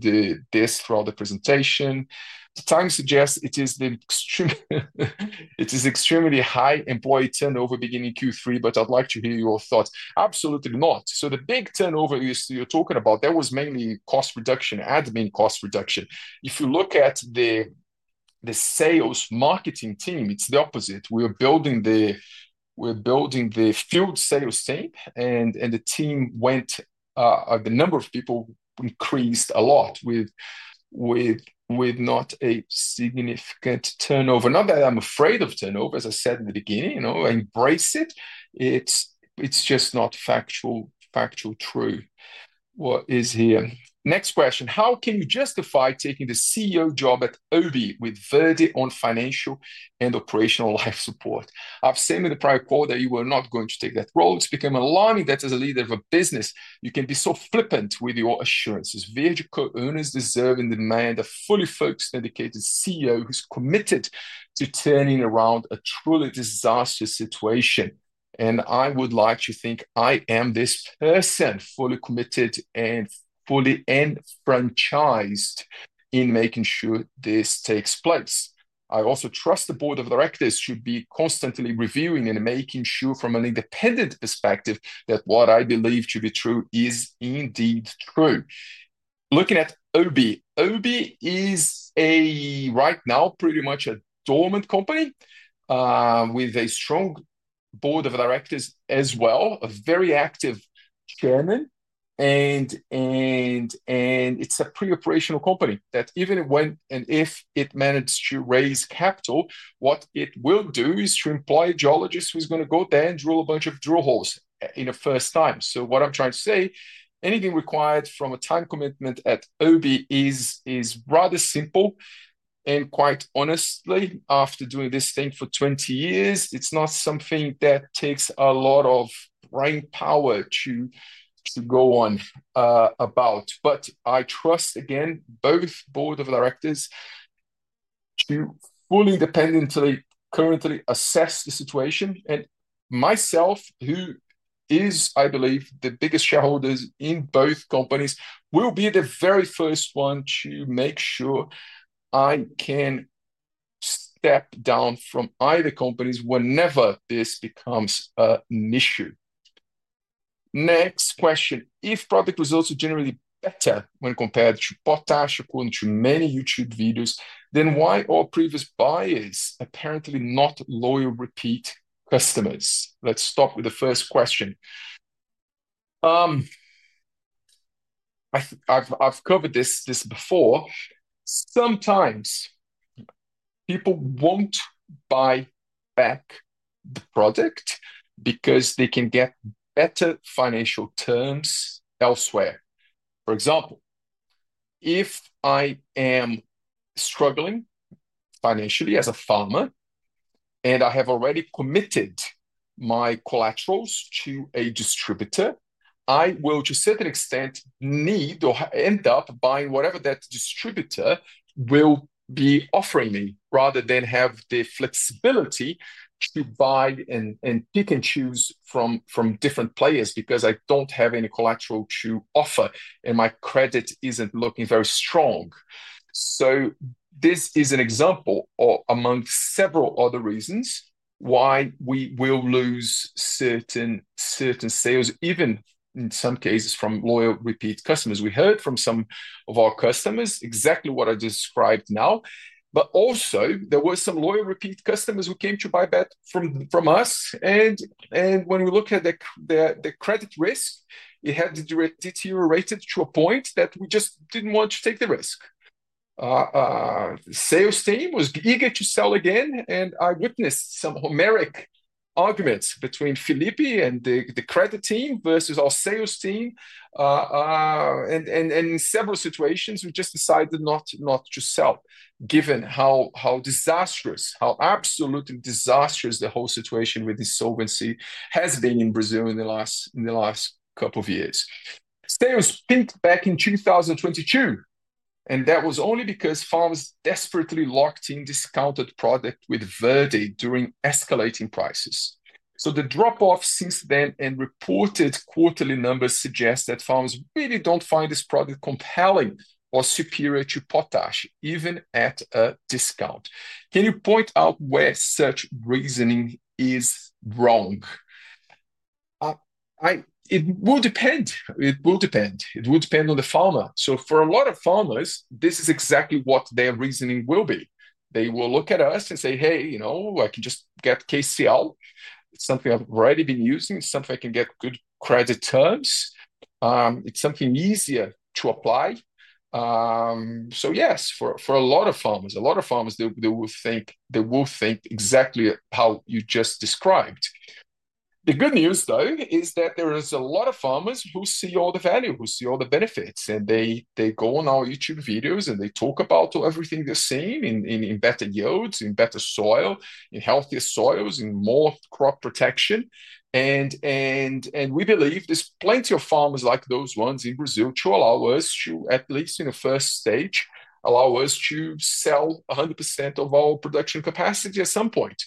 this throughout the presentation. The timing suggests it is extremely high employee turnover beginning Q3, but I'd like to hear your thoughts. Absolutely not. The big turnover you're talking about, that was mainly cost reduction, admin cost reduction. If you look at the sales marketing team, it's the opposite. We're building the field sales team, and the number of people increased a lot with not a significant turnover. Not that I'm afraid of turnover, as I said in the beginning. I embrace it. It's just not factually true. What is here? Next question. How can you justify taking the CEO job at OBI with Verde on financial and operational life support? I've said in the prior call that you were not going to take that role. It's become alarming that as a leader of a business, you can be so flippant with your assurances. Verde co-owners deserve and demand a fully focused, dedicated CEO who's committed to turning around a truly disastrous situation. I would like to think I am this person, fully committed and fully enfranchised in making sure this takes place. I also trust the board of directors should be constantly reviewing and making sure from an independent perspective that what I believe to be true is indeed true. Looking at OBI, OBI is right now pretty much a dormant company with a strong board of directors as well, a very active chairman, and it's a pre-operational company that even when and if it managed to raise capital, what it will do is to employ a geologist who's going to go there and drill a bunch of drill holes in a first time. What I'm trying to say, anything required from a time commitment at OBI is rather simple. Quite honestly, after doing this thing for 20 years, it's not something that takes a lot of brain power to go on about. I trust, again, both board of directors to fully independently currently assess the situation. Myself, who is, I believe, the biggest shareholders in both companies, will be the very first one to make sure I can step down from either companies whenever this becomes an issue. Next question. If product results are generally better when compared to potash according to many YouTube videos, then why are previous buyers apparently not loyal repeat customers? Let's stop with the first question. I've covered this before. Sometimes people won't buy back the product because they can get better financial terms elsewhere. For example, if I am struggling financially as a farmer and I have already committed my collaterals to a distributor, I will, to a certain extent, need or end up buying whatever that distributor will be offering me rather than have the flexibility to buy and pick and choose from different players because I do not have any collateral to offer and my credit is not looking very strong. This is an example among several other reasons why we will lose certain sales, even in some cases from loyal repeat customers. We heard from some of our customers exactly what I described now. There were also some loyal repeat customers who came to buy back from us. When we look at the credit risk, it had deteriorated to a point that we just did not want to take the risk. The sales team was eager to sell again, and I witnessed some homeric arguments between Felipe and the credit team versus our sales team. In several situations, we just decided not to sell, given how disastrous, how absolutely disastrous the whole situation with insolvency has been in Brazil in the last couple of years. Sales pinned back in 2022, and that was only because farmers desperately locked in discounted product with Verde during escalating prices. The drop-off since then and reported quarterly numbers suggest that farmers really do not find this product compelling or superior to potash, even at a discount. Can you point out where such reasoning is wrong? It will depend. It will depend. It will depend on the farmer. For a lot of farmers, this is exactly what their reasoning will be. They will look at us and say, "Hey, I can just get KCl. It's something I've already been using. It's something I can get good credit terms. It's something easier to apply. Yes, for a lot of farmers, a lot of farmers, they will think exactly how you just described. The good news, though, is that there are a lot of farmers who see all the value, who see all the benefits, and they go on our YouTube videos and they talk about everything they've seen in better yields, in better soil, in healthier soils, in more crop protection. We believe there's plenty of farmers like those ones in Brazil to allow us to, at least in the first stage, allow us to sell 100% of our production capacity at some point.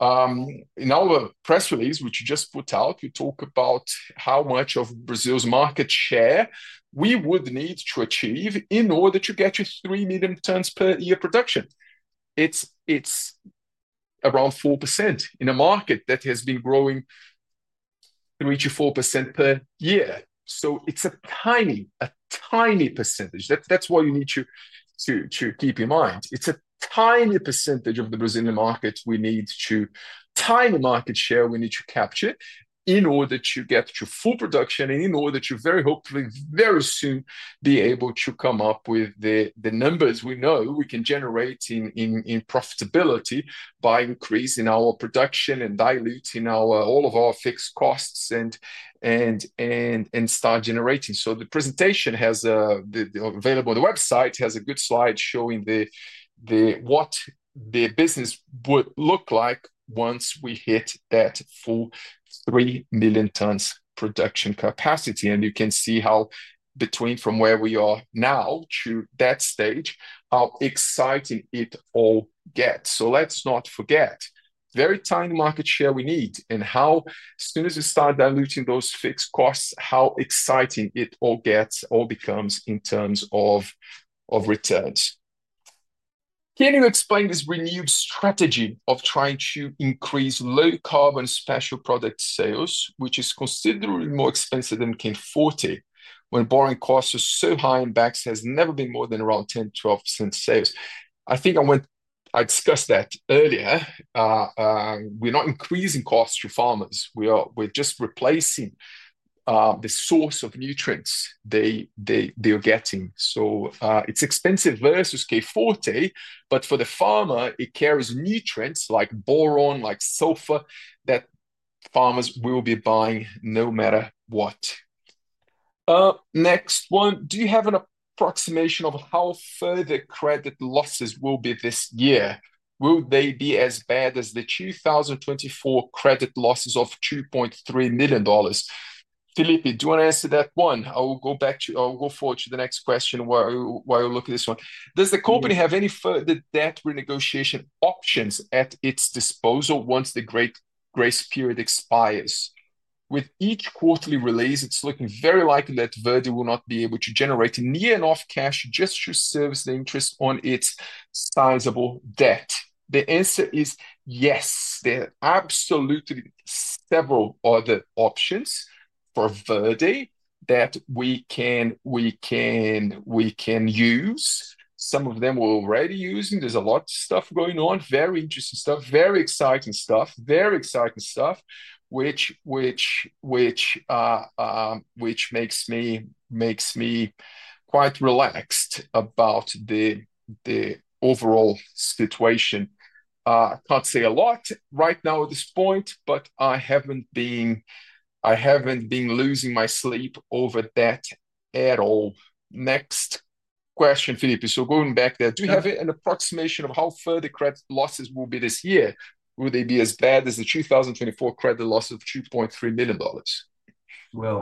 In our press release, which you just put out, you talk about how much of Brazil's market share we would need to achieve in order to get to 3 million tons per year production. It's around 4% in a market that has been growing 3%-4% per year. So it's a tiny percentage. That's why you need to keep in mind. It's a tiny percentage of the Brazilian market we need to, tiny market share we need to capture in order to get to full production and in order to very hopefully very soon be able to come up with the numbers we know we can generate in profitability by increasing our production and diluting all of our fixed costs and start generating. The presentation available on the website has a good slide showing what the business would look like once we hit that full 3 million tons production capacity. You can see how from where we are now to that stage, how exciting it all gets. Let's not forget, very tiny market share we need and how as soon as we start diluting those fixed costs, how exciting it all gets, all becomes in terms of returns. Can you explain this renewed strategy of trying to increase low carbon special product sales, which is considerably more expensive than CAM40 when borrowing costs are so high and BACS has never been more than around 10%-12% sales? I think I discussed that earlier. We're not increasing costs to farmers. We're just replacing the source of nutrients they are getting. It's expensive versus K Forte, but for the farmer, it carries nutrients like boron, like sulfur that farmers will be buying no matter what. Next one, do you have an approximation of how further credit losses will be this year? Will they be as bad as the 2024 credit losses of $2.3 million? Felipe, do you want to answer that one? I'll go forward to the next question while I look at this one. Does the company have any further debt renegotiation options at its disposal once the grace period expires? With each quarterly release, it's looking very likely that Verde will not be able to generate near enough cash just to service the interest on its sizable debt. The answer is yes. There are absolutely several other options for Verde that we can use. Some of them we're already using. There's a lot of stuff going on. Very interesting stuff, very exciting stuff, which makes me quite relaxed about the overall situation. I can't say a lot right now at this point, but I haven't been losing my sleep over debt at all. Next question, Felipe. Going back there, do you have an approximation of how further credit losses will be this year? Will they be as bad as the 2024 credit loss of $2.3 million?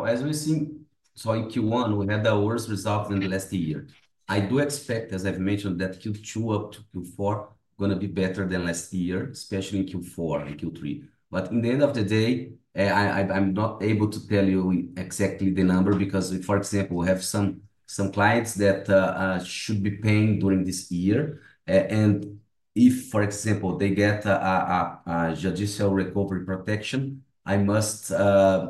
As we've seen, sorry, Q1, we had the worst result in the last year. I do expect, as I've mentioned, that Q2 up to Q4 is going to be better than last year, especially in Q4 and Q3. In the end of the day, I'm not able to tell you exactly the number because, for example, we have some clients that should be paying during this year. If, for example, they get a judicial recovery protection, I must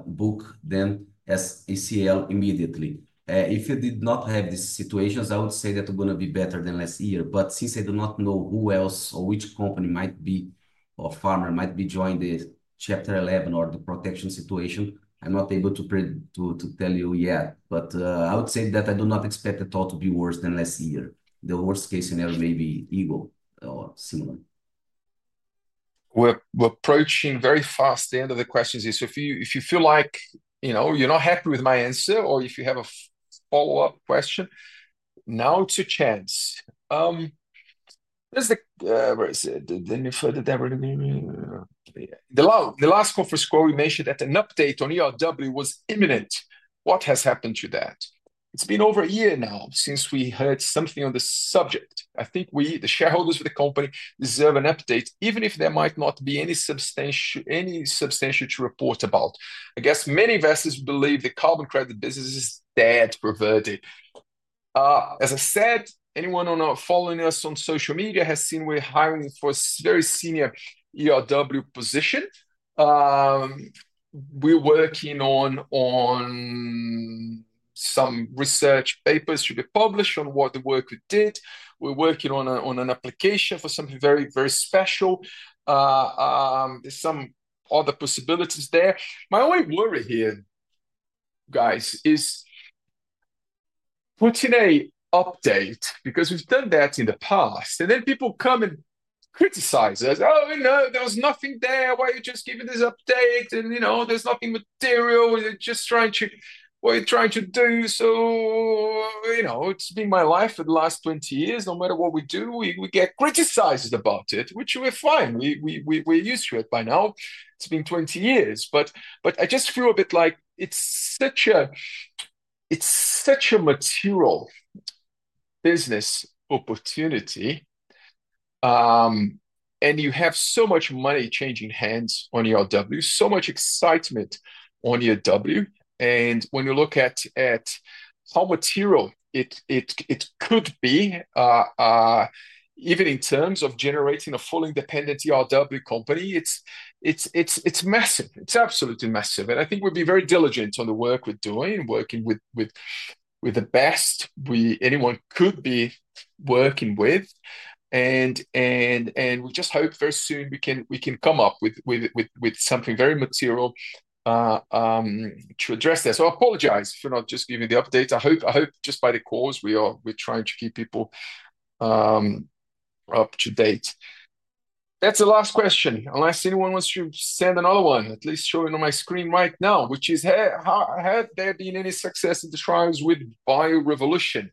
book them as ACL immediately. If you did not have these situations, I would say that it would be better than last year. Since I do not know who else or which company might be or farmer might be joining the Chapter 11 or the protection situation, I'm not able to tell you yet. I would say that I do not expect at all to be worse than last year. The worst case scenario may be equal or similar. We're approaching very fast the end of the questions. If you feel like you're not happy with my answer or if you have a follow-up question, now it's your chance. The last conference call, we mentioned that an update on ERW was imminent. What has happened to that? It's been over a year now since we heard something on the subject. I think we, the shareholders of the company, deserve an update, even if there might not be any substantial to report about. I guess many investors believe the carbon credit business is dead for Verde. As I said, anyone following us on social media has seen we're hiring for a very senior ERW position. We're working on some research papers to be published on what the work we did. We're working on an application for something very, very special. There's some other possibilities there. My only worry here, guys, is putting an update because we've done that in the past. Then people come and criticize us. "Oh, you know there was nothing there. Why are you just giving this update? And you know there's nothing material. We're just trying to, what are you trying to do? It's been my life for the last 20 years. No matter what we do, we get criticized about it, which we're fine. We're used to it by now. It's been 20 years. I just feel a bit like it's such a material business opportunity. You have so much money changing hands on ERW, so much excitement on ERW. When you look at how material it could be, even in terms of generating a fully independent ERW company, it's massive. It's absolutely massive. I think we'll be very diligent on the work we're doing, working with the best anyone could be working with. We just hope very soon we can come up with something very material to address this. I apologize for not just giving the update. I hope just by the cause we're trying to keep people up to date. That's the last question, unless anyone wants to send another one, at least showing on my screen right now, which is, "Have there been any success in the trials with BioRevolution?"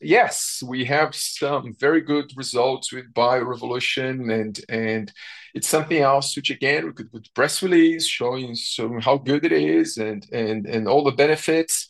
Yes, we have some very good results with BioRevolution. It is something else which, again, we could do press release, showing how good it is and all the benefits,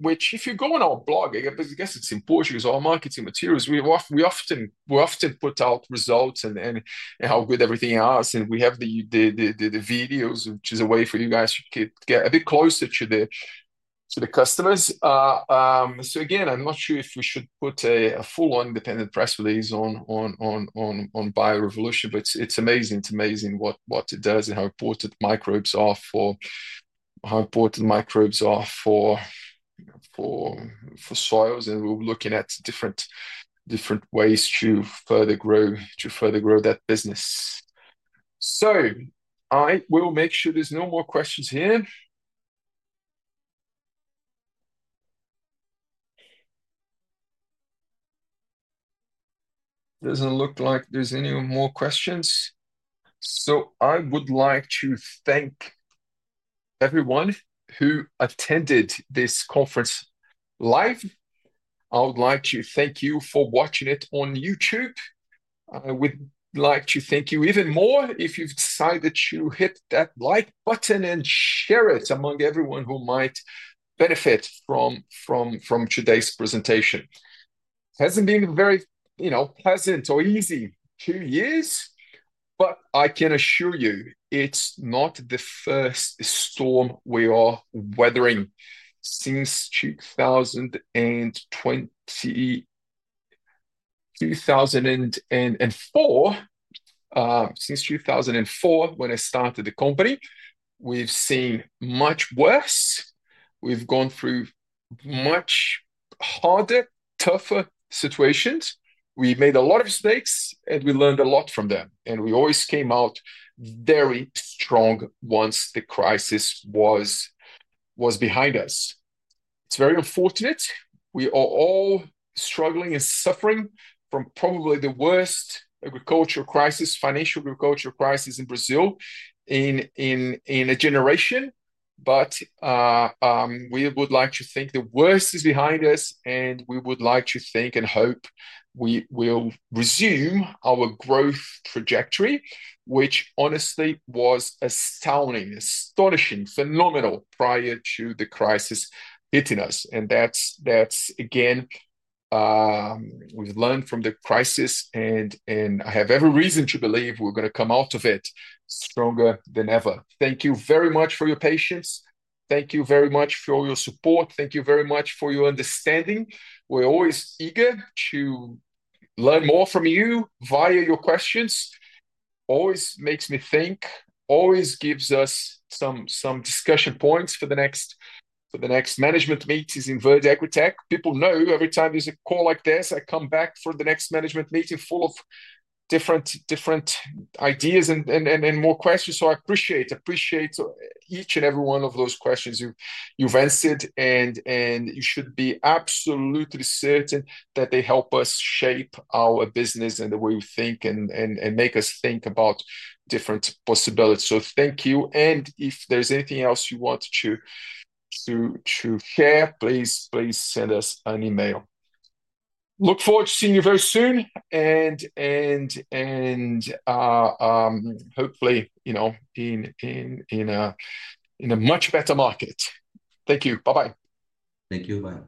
which if you go on our blog, I guess it's important because our marketing materials, we often put out results and how good everything is. We have the videos, which is a way for you guys to get a bit closer to the customers. Again, I'm not sure if we should put a full-on independent press release on BioRevolution, but it's amazing. It's amazing what it does and how important microbes are for soils. We are looking at different ways to further grow that business. I will make sure there's no more questions here. It doesn't look like there's any more questions. I would like to thank everyone who attended this conference live. I would like to thank you for watching it on YouTube. I would like to thank you even more if you've decided to hit that like button and share it among everyone who might benefit from today's presentation. It hasn't been a very pleasant or easy two years, but I can assure you it's not the first storm we are weathering since 2004. Since 2004, when I started the company, we've seen much worse. We've gone through much harder, tougher situations. We made a lot of mistakes, and we learned a lot from them. We always came out very strong once the crisis was behind us. It is very unfortunate. We are all struggling and suffering from probably the worst agricultural crisis, financial agricultural crisis in Brazil in a generation. We would like to think the worst is behind us, and we would like to think and hope we will resume our growth trajectory, which honestly was astounding, astonishing, phenomenal prior to the crisis hitting us. That is, again, we have learned from the crisis, and I have every reason to believe we are going to come out of it stronger than ever. Thank you very much for your patience. Thank you very much for your support. Thank you very much for your understanding. We are always eager to learn more from you via your questions. Always makes me think, always gives us some discussion points for the next management meetings in Verde AgriTech. People know every time there's a call like this, I come back for the next management meeting full of different ideas and more questions. I appreciate each and every one of those questions you've answered, and you should be absolutely certain that they help us shape our business and the way we think and make us think about different possibilities. Thank you. If there's anything else you want to share, please send us an email. Look forward to seeing you very soon, and hopefully in a much better market. Thank you. Bye-bye. Thank you.